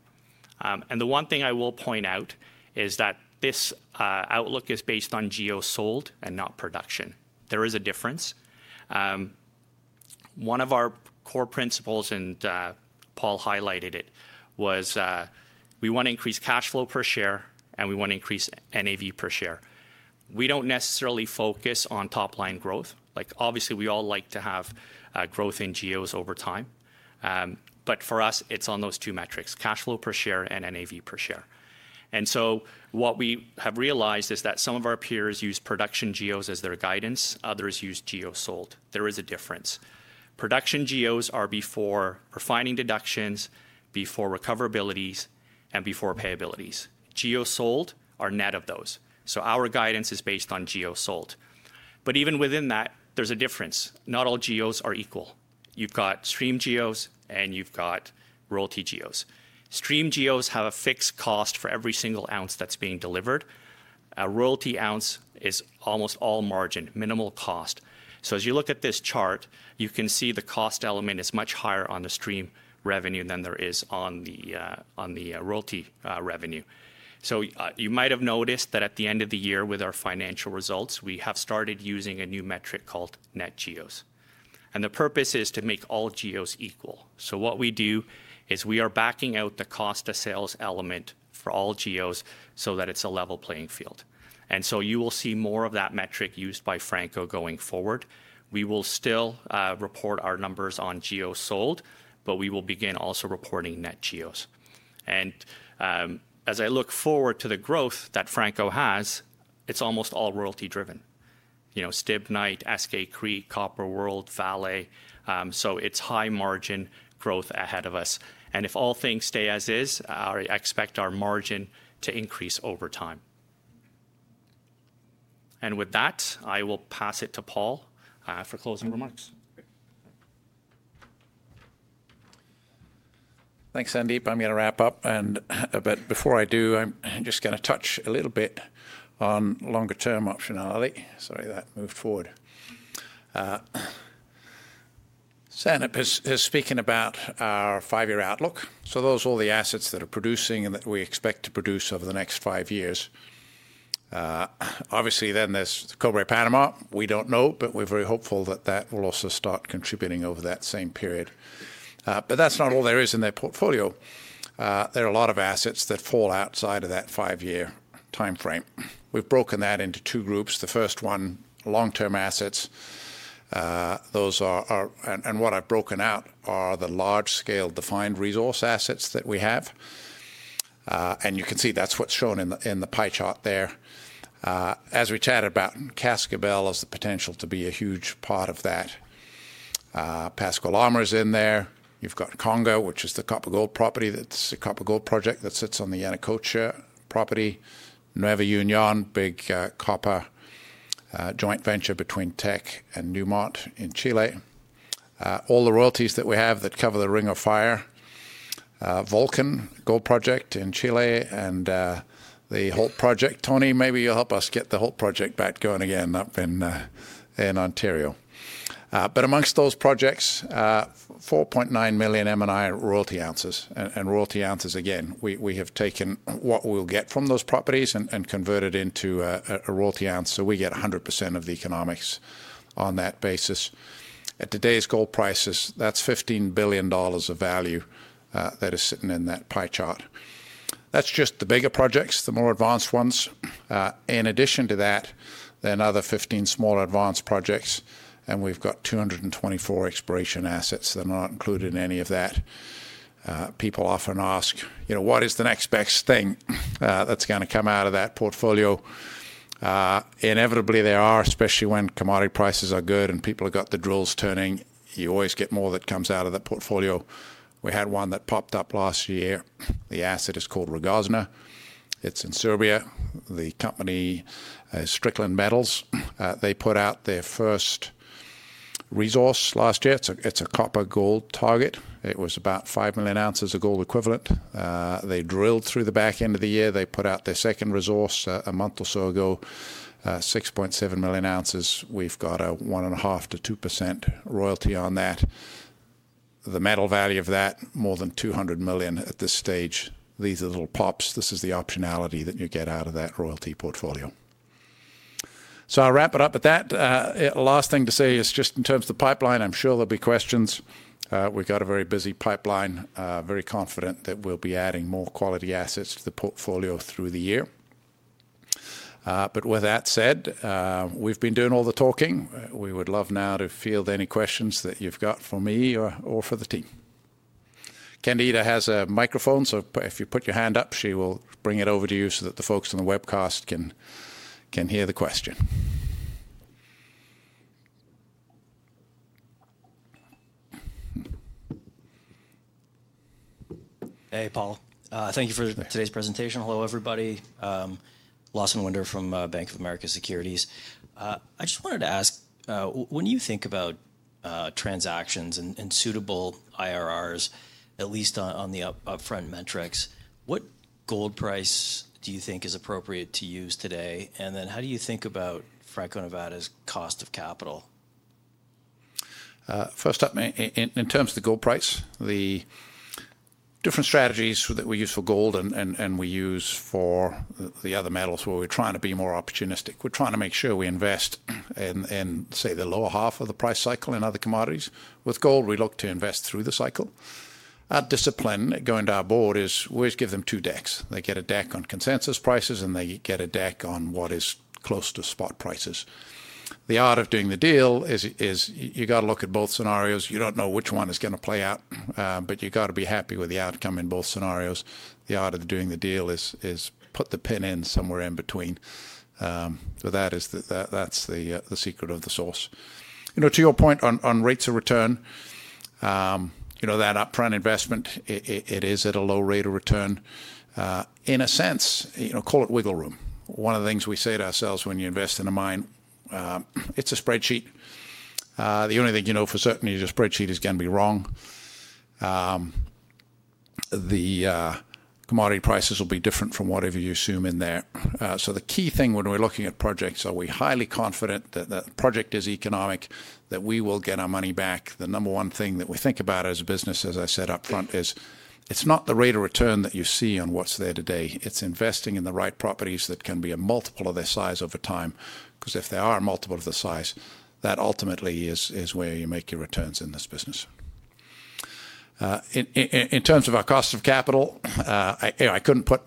The one thing I will point out is that this outlook is based on GEO sold and not production. There is a difference. One of our core principles, and Paul highlighted it, was we want to increase cash flow per share and we want to increase NAV per share. We do not necessarily focus on top line growth. Obviously, we all like to have growth in GEOs over time, but for us it is on those two metrics: cash flow per share and NAV per share. What we have realized is that some of our peers use production GEOs as their guidance, others use GEOs sold. There is a difference. Production GEOs are before refining deductions, before recoverabilities, and before payabilities. GEOs sold are net of those. Our guidance is based on GEOs sold. Even within that, there is a difference. Not all GEOs are equal. You've got stream GEOs and you've got royalty GEOs. Stream GEOs have a fixed cost for every single ounce that's being delivered. A royalty ounce is almost all margin, minimal cost. As you look at this chart you can see the cost element is much higher on the stream revenue than there is on the royalty revenue. You might have noticed that at the end of the year with our financial results we have started using a new metric called Net GEOs and the purpose is to make all GEOs equal. What we do is we are backing out the cost of sales element for all GEOs so that it's a level playing field and you will see more of that metric used by Franco-Nevada going forward. We will still report our numbers on GEOs sold but we will begin also reporting Net GEOs. As I look forward to the growth that Franco has, it's almost all royalty driven, you know, Stibnite, Eskay Creek, Copper World, Vale. It is high margin growth ahead of us and if all things stay as is, I expect our margin to increase over time. With that I will pass it to Paul for closing. Remarks. Thanks Sandeep. I'm going to wrap up but before I do I'm just going to touch a little bit on longer term optionality. Sorry that moved forward. Sandeep has been speaking about our five year outlook. Those are all the assets that are producing and that we expect to produce over the next five years. Obviously then there's Cobre Panama, we don't know but we're very hopeful that that will also start contributing over that same period. That is not all there is in the portfolio. There are a lot of assets that fall outside of that five year time frame. We've broken that into two groups. The first one, long term assets, those are, and what I've broken out are the large scale defined resource assets that we have and you can see that's what's shown in the pie chart there as we chatted about. Cascabel has the potential to be a huge part of that. Pascal Armour is in there. You've got Congo, which is the copper gold property. That's a copper gold project that sits on the Yanacocha property. Nueva Union, big copper joint venture between Teck and Newmont in Chile. All the royalties that we have that cover the Ring of Fire, Vulcan Gold project in Chile and the Holt project. Tony, maybe you'll help us get the Holt project back going again up in Ontario. Amongst those projects, 4.9 million M&I royalty ounces and royalty ounces again, we have taken what we'll get from those properties and converted into a royalty ounce. So we get 100% of the economics on that basis. At today's gold prices, that's $15 billion of value that is sitting in that pie chart. That's just the bigger projects, the more advanced ones. In addition to that, then other 15 small advanced projects and we've got 224 exploration assets. They're not included in any of that. People often ask, you know, what is the next best thing that's going to come out of that portfolio? Inevitably there are, especially when commodity prices are good and people have got the drills turning, you always get more that comes out of that portfolio. We had one that popped up last year. The asset is called Rogozna, it's in Serbia. The company Strickland Metals, they put out their first resource last year. It's a copper gold target. It was about 5 million ounces of gold equivalent. They drilled through the back end of the year. They put out their second resource a month or so ago, 6.7 million ounces. We've got a 1.5%-2% royalty on that. The metal value of that more than $200 million at this stage. These are little pops. This is the optionality that you get out of that royalty portfolio. I'll wrap it up with that. Last thing to say is just in terms of the pipeline, I'm sure there'll be questions. We've got a very busy pipeline, very confident that we'll be adding more quality assets to the portfolio through the year. With that said, we've been doing all the talking. We would love now to field any questions that you've got for me or for the team. Candida has a microphone, so if you put your hand up, she will bring it over to you so that the folks on the webcast can hear the question. Hey, Paul, thank you for today's presentation. Hello, everybody. Lawson Winder from Bank of America Securities. I just wanted to ask, when you think about transactions and suitable IRRs, at least on the upfront metrics, what gold price do you think is appropriate to use today? And then how do you think about Franco-Nevada's cost of. Capital? First up, in terms of the gold price, the different strategies that we use for gold and we use for the other metals, where we're trying to be more opportunistic, we're trying to make sure we invest in, say, the lower half of the price cycle in other commodities. With gold, we look to invest through the cycle. Our discipline going to our board is we always give them two decks. They get a deck on consensus prices, and they get a deck on what is close to spot prices. The art of doing the deal is you got to look at both scenarios. You don't know which one is going to play out, but you got to be happy with the outcome. In both scenarios, the art of doing the deal is put the pin in somewhere in between. That is. That's the secret of the source. You know, to your point on rates of return, you know, that upfront investment, it is at a low rate of return, in a sense, call it wiggle room. One of the things we say to ourselves, when you invest in a mine, it's a spreadsheet. The only thing you know for certain is your spreadsheet is going to be wrong. The commodity prices will be different from whatever you assume in there. The key thing when we're looking at projects, are we highly confident that the project is economic, that we will get our money back? The number one thing that we think about as a business, as I said up front, is it's not the rate of return that you see on what's there today. It's investing in the right properties that can be a multiple of their size over time. Because if they are multiple of their size, that ultimately is where you make your returns in this business. In terms of our cost of capital, I could not put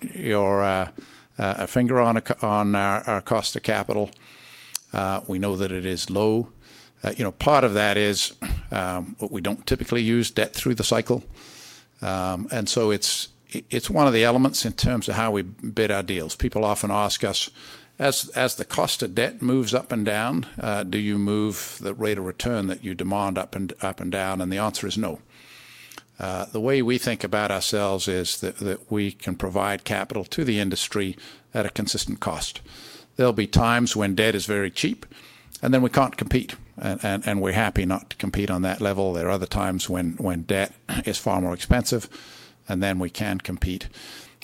a finger on our cost of capital. We know that it is low. Part of that is we do not typically use debt through the cycle. It is one of the elements in terms of how we bid our deals. People often ask us, as the cost of debt moves up and down, do you move the rate of return that you demand up and down? The answer is no. The way we think about ourselves is that we can provide capital to the industry at a consistent cost. There will be times when debt is very cheap, and then we cannot compete and we are happy not to compete on that level. There are other times when debt is far more expensive and then we can compete.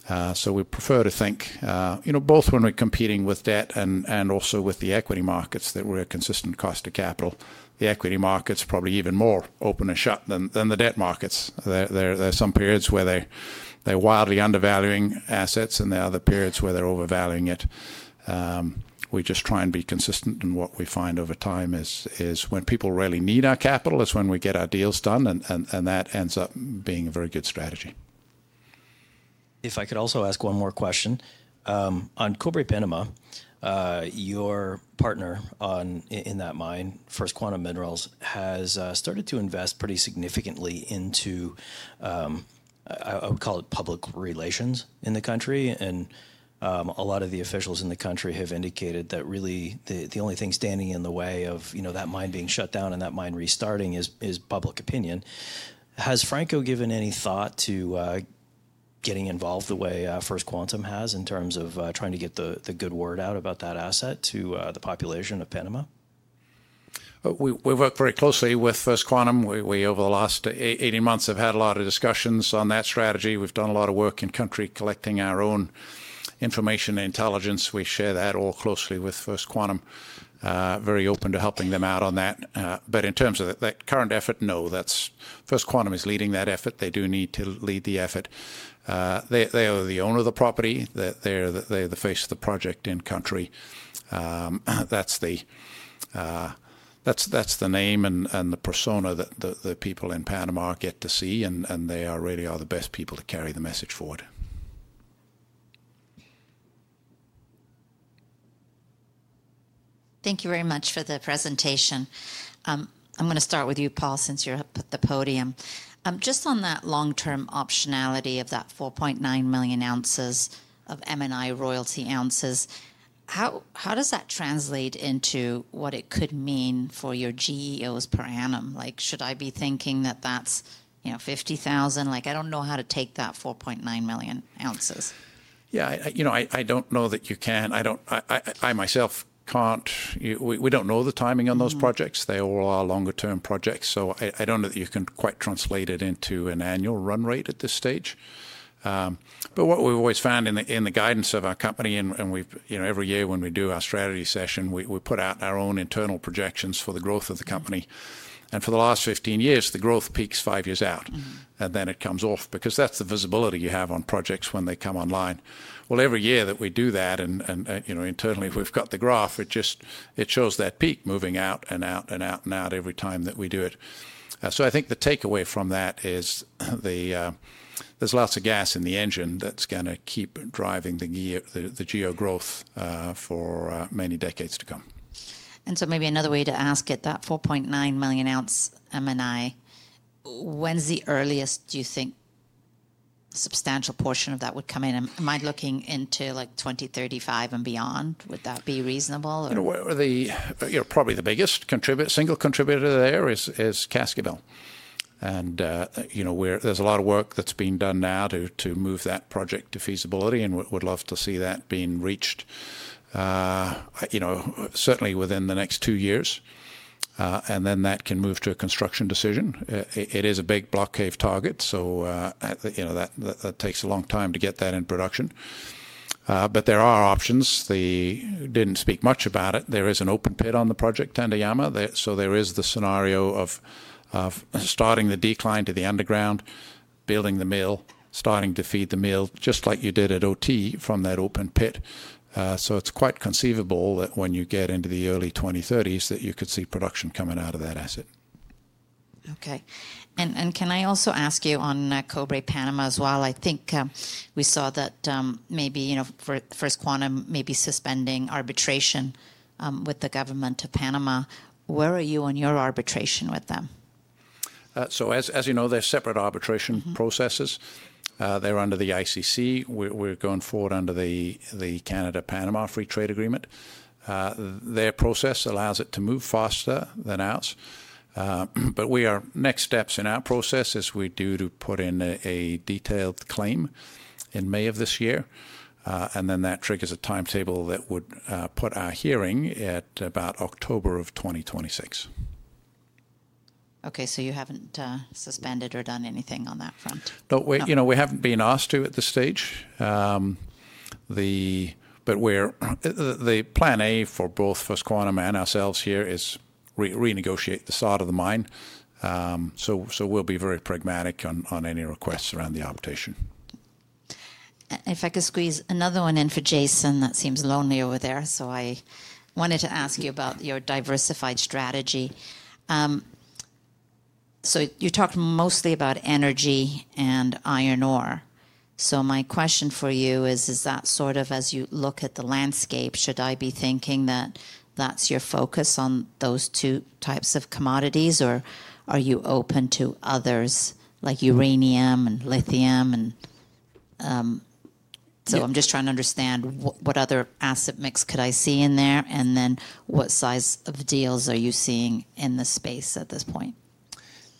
We prefer to think, you know, both when we're competing with debt and also with the equity markets, that we're at consistent cost of capital. The equity markets probably even more open and shut than the debt markets. There are some periods where they're wildly undervaluing assets, and there are other periods where they're overvaluing it. We just try and be consistent in what we find over time is, is when people really need our capital, it's when we get our deals done. That ends up being a very good. Strategy. If I could also ask one more question on Cobre Panama, your partner in that mine, First Quantum Minerals has started to invest pretty significantly into, I would call it, public relations in the country. A lot of the officials in the country have indicated that really they, the only thing standing in the way of that mine being shut down and that mine restarting is public opinion. Has Franco-Nevada given any thought to getting involved the way First Quantum has in terms of trying to get the good word out about that asset to the population of. Panama? We work very closely with First Quantum. We over the last 18 months have had a lot of discussions on that strategy. We have done a lot of work in country collecting our own information, intelligence. We share that all closely with First Quantum. Very open to helping them out on that. In terms of that current effort, no, First Quantum is leading that effort. They do need to lead the effort. They are the owner of the property, they are the face of the project in country. That is the name and the persona that the people in Panama get to see. They really are the best people to carry the message forward. Thank you very much for the presentation. I'm going to start with you, Paul, since you're up at the podium, just on that long term optionality of that 4.9 million ounces of M&I royalty ounces, how, how does that translate into what it could mean for your GEOs per annum? Like should I be thinking that that's, you know, 50,000, like I don't know how to take that 4.9 million ounces. Yeah, you know, I don't know that you can, I don't, I myself can't. We don't know the timing on those projects. They all are longer term projects. So I don't know that you can quite translate it into an annual run rate at this stage. What we've always found in the guidance of our company and we, you know, every year when we do our strategy session, we put out our own internal projections for the growth of the company and for the last 15 years the growth peaks five years out and then it comes off because that's the visibility you have on projects when they come online. Every year that we do that and internally we've got the graph, it shows that peak moving out and out and out and out. Every time that we do it I think the takeaway from that is there's lots of gas in the engine that's going to keep driving the GEO growth for many decades to come. Maybe another way to ask it, that 4.9 million ounce M&I, when's the earliest do you think substantial portion of that would come in? Am I looking into like 2035 and beyond? Would that be reasonable? Probably the biggest contributor, single contributor there is Cascabel, and you know, there's a lot of work that's being done now to move that project to feasibility and would love to see that being reached, you know, certainly within the next two years, and then that can move to a construction decision. It is a big block cave target, so you know that takes a long time to get that in production. There are options. They didn't speak much about it. There is an open pit on the project, Tandayama. There is the scenario of starting the decline to the underground, building the mill, starting to feed the mill just like you did at OT from that open pit. It is quite conceivable that when you get into the early 2030s that you could see production coming out of that asset. Okay, and can I also ask you on Cobre Panama as well, I think we saw that maybe, you know, First Quantum may be suspending arbitration with the government of Panama. Where are you on your arbitration with them? As you know, they are separate arbitration processes. They are under the ICC. We are going forward under the Canada Panama Free Trade Agreement. Their process allows it to move faster than ours. We are next steps in our process as we do to put in a detailed claim in May of this year and then that triggers a timetable that would put our hearing at about October of 2026. Okay, you have not suspended or done anything on that front? No, we have not been asked to at this stage. The plan A for both First Quantum and ourselves here is renegotiate the sod of the mine. We will be very pragmatic on any requests around the adaptation. If I could squeeze another one in for Jason. That seems lonely over there. I wanted to ask you about your diversified strategy. You talked mostly about energy and iron ore. My question for you is, is that sort of as you look at the landscape, should I be thinking that that's your focus on those two types of commodities or are you open to others like uranium and. Lithium? I'm just trying to understand what other asset mix could I see in there? And then what size of deals are you seeing in the space at this. Point?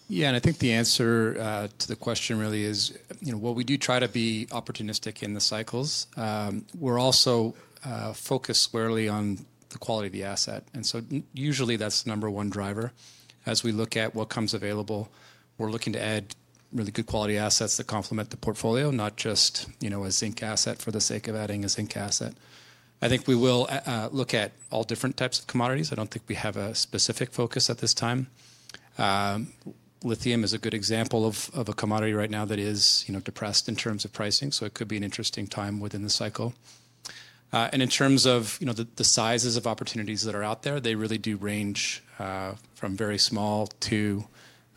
Yeah, and I think the answer to the question really is, you know, what, we do try to be opportunistic in the cycles. We're also focused squarely on the quality of the asset. Usually that's the number one driver as we look at what comes available. We're looking to add really good quality assets that complement the portfolio, not just, you know, a zinc asset. For the sake of adding a zinc asset. I think we will look at all different types of commodities. I don't think we have a specific focus at this time. Lithium is a good example of a commodity right now that is, you know, depressed in terms of pricing. It could be an interesting time within the cycle. In terms of, you know, the sizes of opportunities that are out there, they really do range from very small to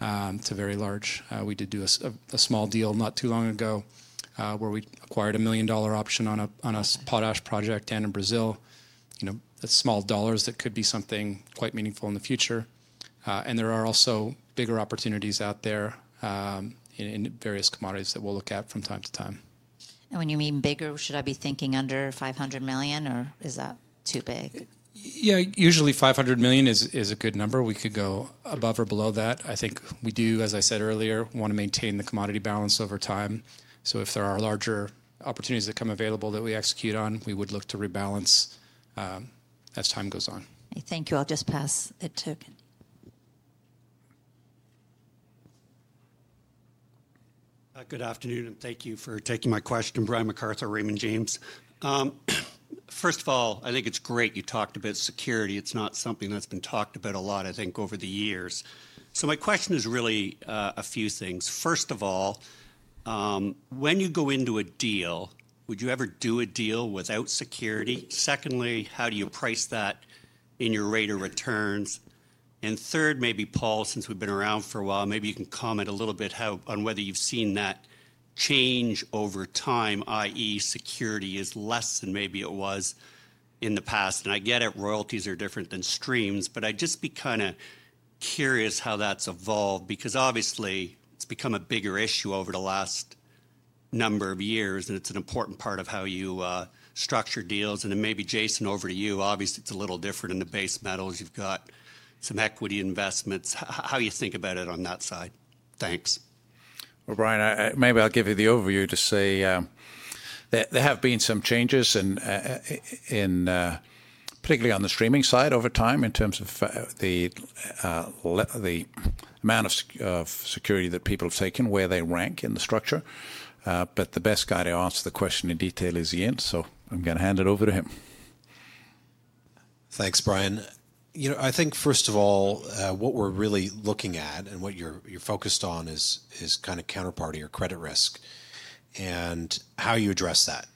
very large. We did do a small deal not too long ago where we acquired a $1 million option on a potash project down in Brazil. Small dollars, that could be something quite meaningful in the future. There are also bigger opportunities out there in various commodities that we'll look at from time to time. Time. When you mean bigger, should I be thinking under $500 million or is that too. Big? Yeah, usually $500 million is a good number. We could go above or below that. I think we do, as I said earlier, want to maintain the commodity balance over time. If there are larger opportunities that come available that we execute on, we would look to rebalance as time goes. Thank you. I'll just pass it. Good afternoon and thank you for taking my question. Brian MacArthur, Raymond. James. First of all, I think it's great you talked about. Security. It's not something that's been talked about. About a lot, I think, over the years. My question is really a few things. First of all, when you go into a deal, would you ever do a deal without security? Secondly, how do you price that in your rate of. Returns? Third, maybe, Paul, since we've been around for a while, maybe you. Can comment a little bit. How. On whether you've seen that change over time. That is, security is less than maybe it was in the past. I get it, royalties are different than streams. I'd just be kind of curious how that's evolved because obviously it's become a bigger issue over the last number of years and it's an important part of how you structure deals. Maybe Jason, over to you. Obviously it's a little different in the base metals, you've got so me equity. Investments. How you think about it on that side. Thanks, Brian. Maybe I'll give you the overview to say there have been some. Changes. Particularly on the streaming side over time in terms of the amount of security that people have taken, where they rank in the structure. The best guy to answer the question in detail is Eaun. I am going to hand it over to him. Him. Thanks, Brian. You know, I think first of all what we're really looking at and what you're focused on is kind of counterparty or credit risk and how you address that.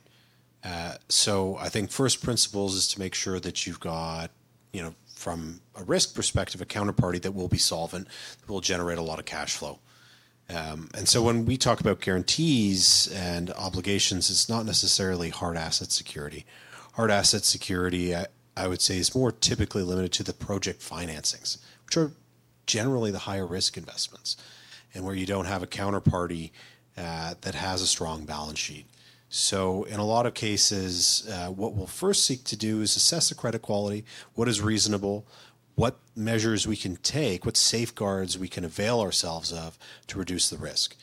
I think first principles is to make sure that you've got, you know, from a risk perspective, a counterparty that will be solvent, will generate a lot of cash flow. And when we talk about guarantees and obligations, it's not necessarily hard asset security. Hard asset security, I would say, is more typically limited to the project financings, which are generally the higher risk investments and where you don't have a counterparty that has a strong balance sheet. In a lot of cases, what we'll first seek to do is assess the credit quality, what is reasonable, what measures we can take, what safeguards we can avail ourselves of to reduce the risk.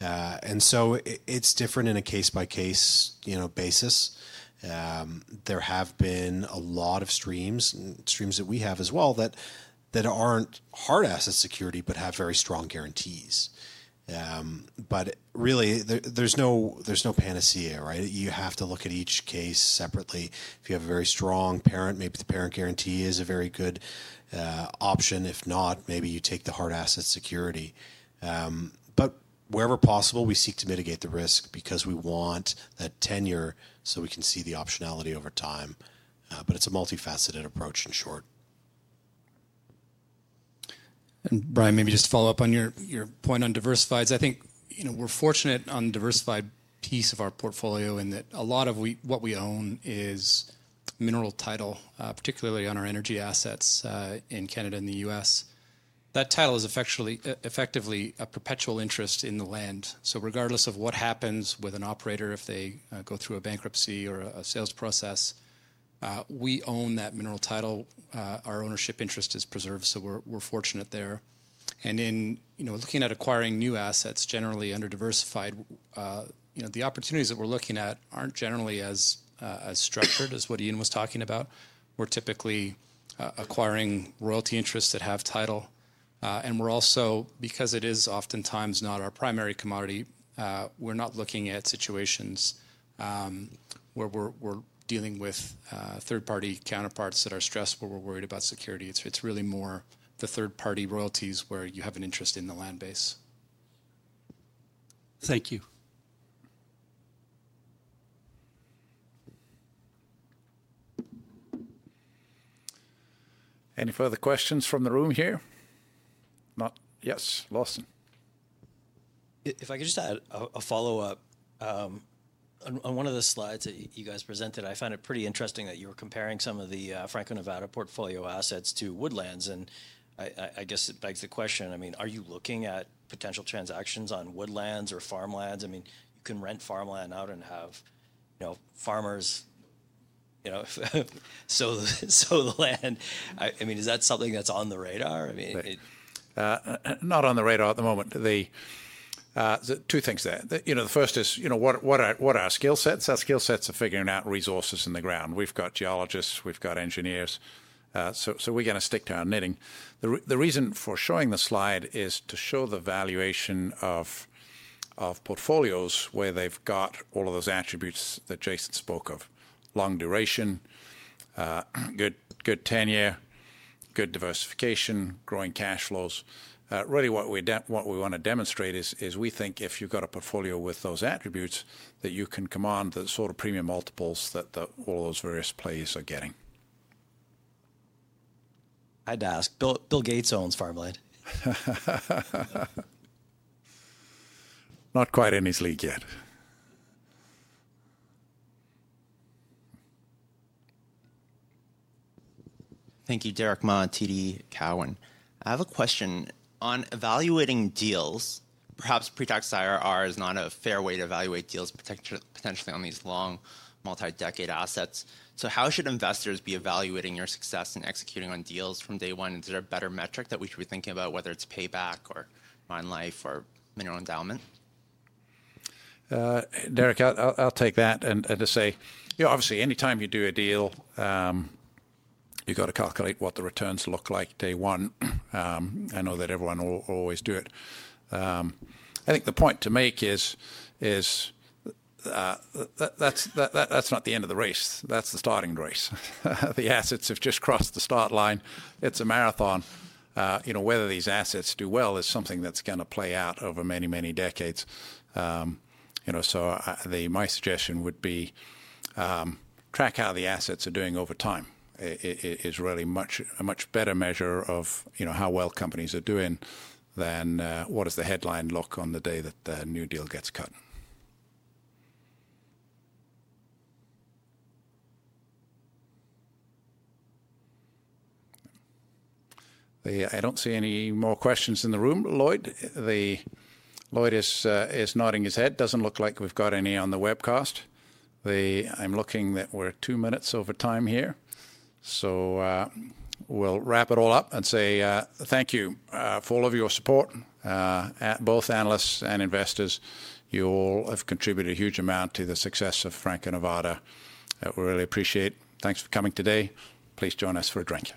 It is different in a case by case basis. There have been a lot of streams, streams that we have as well that are not hard asset security but have very strong guarantees. There is no panacea. Right. You have to look at each case separately. If you have a very strong parent, maybe the parent guarantee is a very good option. If not, maybe you take the hard asset security. Wherever possible, we seek to mitigate the risk because we want that tenure so we can see the optionality over time. It is a multifaceted approach. Short. Brian, maybe just follow up on your point on diversifieds, I think, you know, we're fortunate on the diversified piece of our portfolio in that a lot of what we own is mineral title, particularly on our energy assets in Canada and the U.S. That title is effectively a perpetual interest in the land. Regardless of what happens with an operator, if they go through a bankruptcy or a sales process, we own that mineral title, our ownership interest is preserved. We're fortunate there. In looking at acquiring new assets generally under diversified, the opportunities that we're looking at aren't generally as structured as what Eaun was talking about. We're typically acquiring royalty interests that have title. We are also, because it is oftentimes not our primary commodity, not looking at situations where we are dealing with third party counterparts that are stressed, where we are worried about security. It is really more the third party royalties where you have an interest in the land. Base. Thank. Any further questions from the room here? Not yet. Lawson. If I could just add a follow up on one of the slides that you guys presented. I found it pretty interesting that you were comparing some of the Franco-Nevada portfolio assets to woodlands and I guess it begs the question, I mean are you looking at potential transactions on woodlands or farmlands? I mean you can rent farmland out and have, you know, farmers, you. know, so the land, I mean, is. That something that's on the. Radar? I mean not on the radar at the moment. The two things there, you know, the first is, you know what our skill sets. Our skill sets are figuring out resources in the ground. We've got geologists, we've got engineers. So we're going to stick to our knitting. The reason for showing the slide is to show the valuation of portfolios where they've got all of those attributes that Jason spoke of. Long duration, good tenure, good diversification, growing cash flows. Really what we want to demonstrate is we think if you've got a portfolio with those attributes that you can command the sort of premium multiples that all those various plays are. Getting. I had to. Ask. Bill Gates owns. Farmland not quite in his league. Yet. Thank. You. Derek Matiti. Cowan. I have a question on evaluating deals. Perhaps pre tax IRR is not. A fair way to evaluate deals, protect potentially on these long multi decade assets. How should investors be evaluating your success in executing on deals from day one? Is there a better metric that we should be thinking about, whether it's payback or mine life or mineral. Endowment? Derek, I'll take that. Obviously anytime you do a deal, you've got to calculate what the returns look like day one. I know that everyone will always do it. I think the point to make is that's not the end of the race. That's the starting race. The assets have just crossed the start line. It's a marathon. Whether these assets do well is something that's going to play out over many, many decades. My suggestion would be track how the assets are doing over time is really a much better measure of, you know, how well companies are doing than what does the headline look on the day that the new deal gets cut. I don't see any more questions in the room, Lloyd. Lloyd is nodding his head. Doesn't look like we've got any on the webcast. I'm looking that we're two minutes over time here. We'll wrap it all up and say thank you for all of your support, both analysts and investors. You all have contributed a huge amount to the success of Franco-Nevada. We really appreciate it. Thanks for coming today. Please join us for a drink.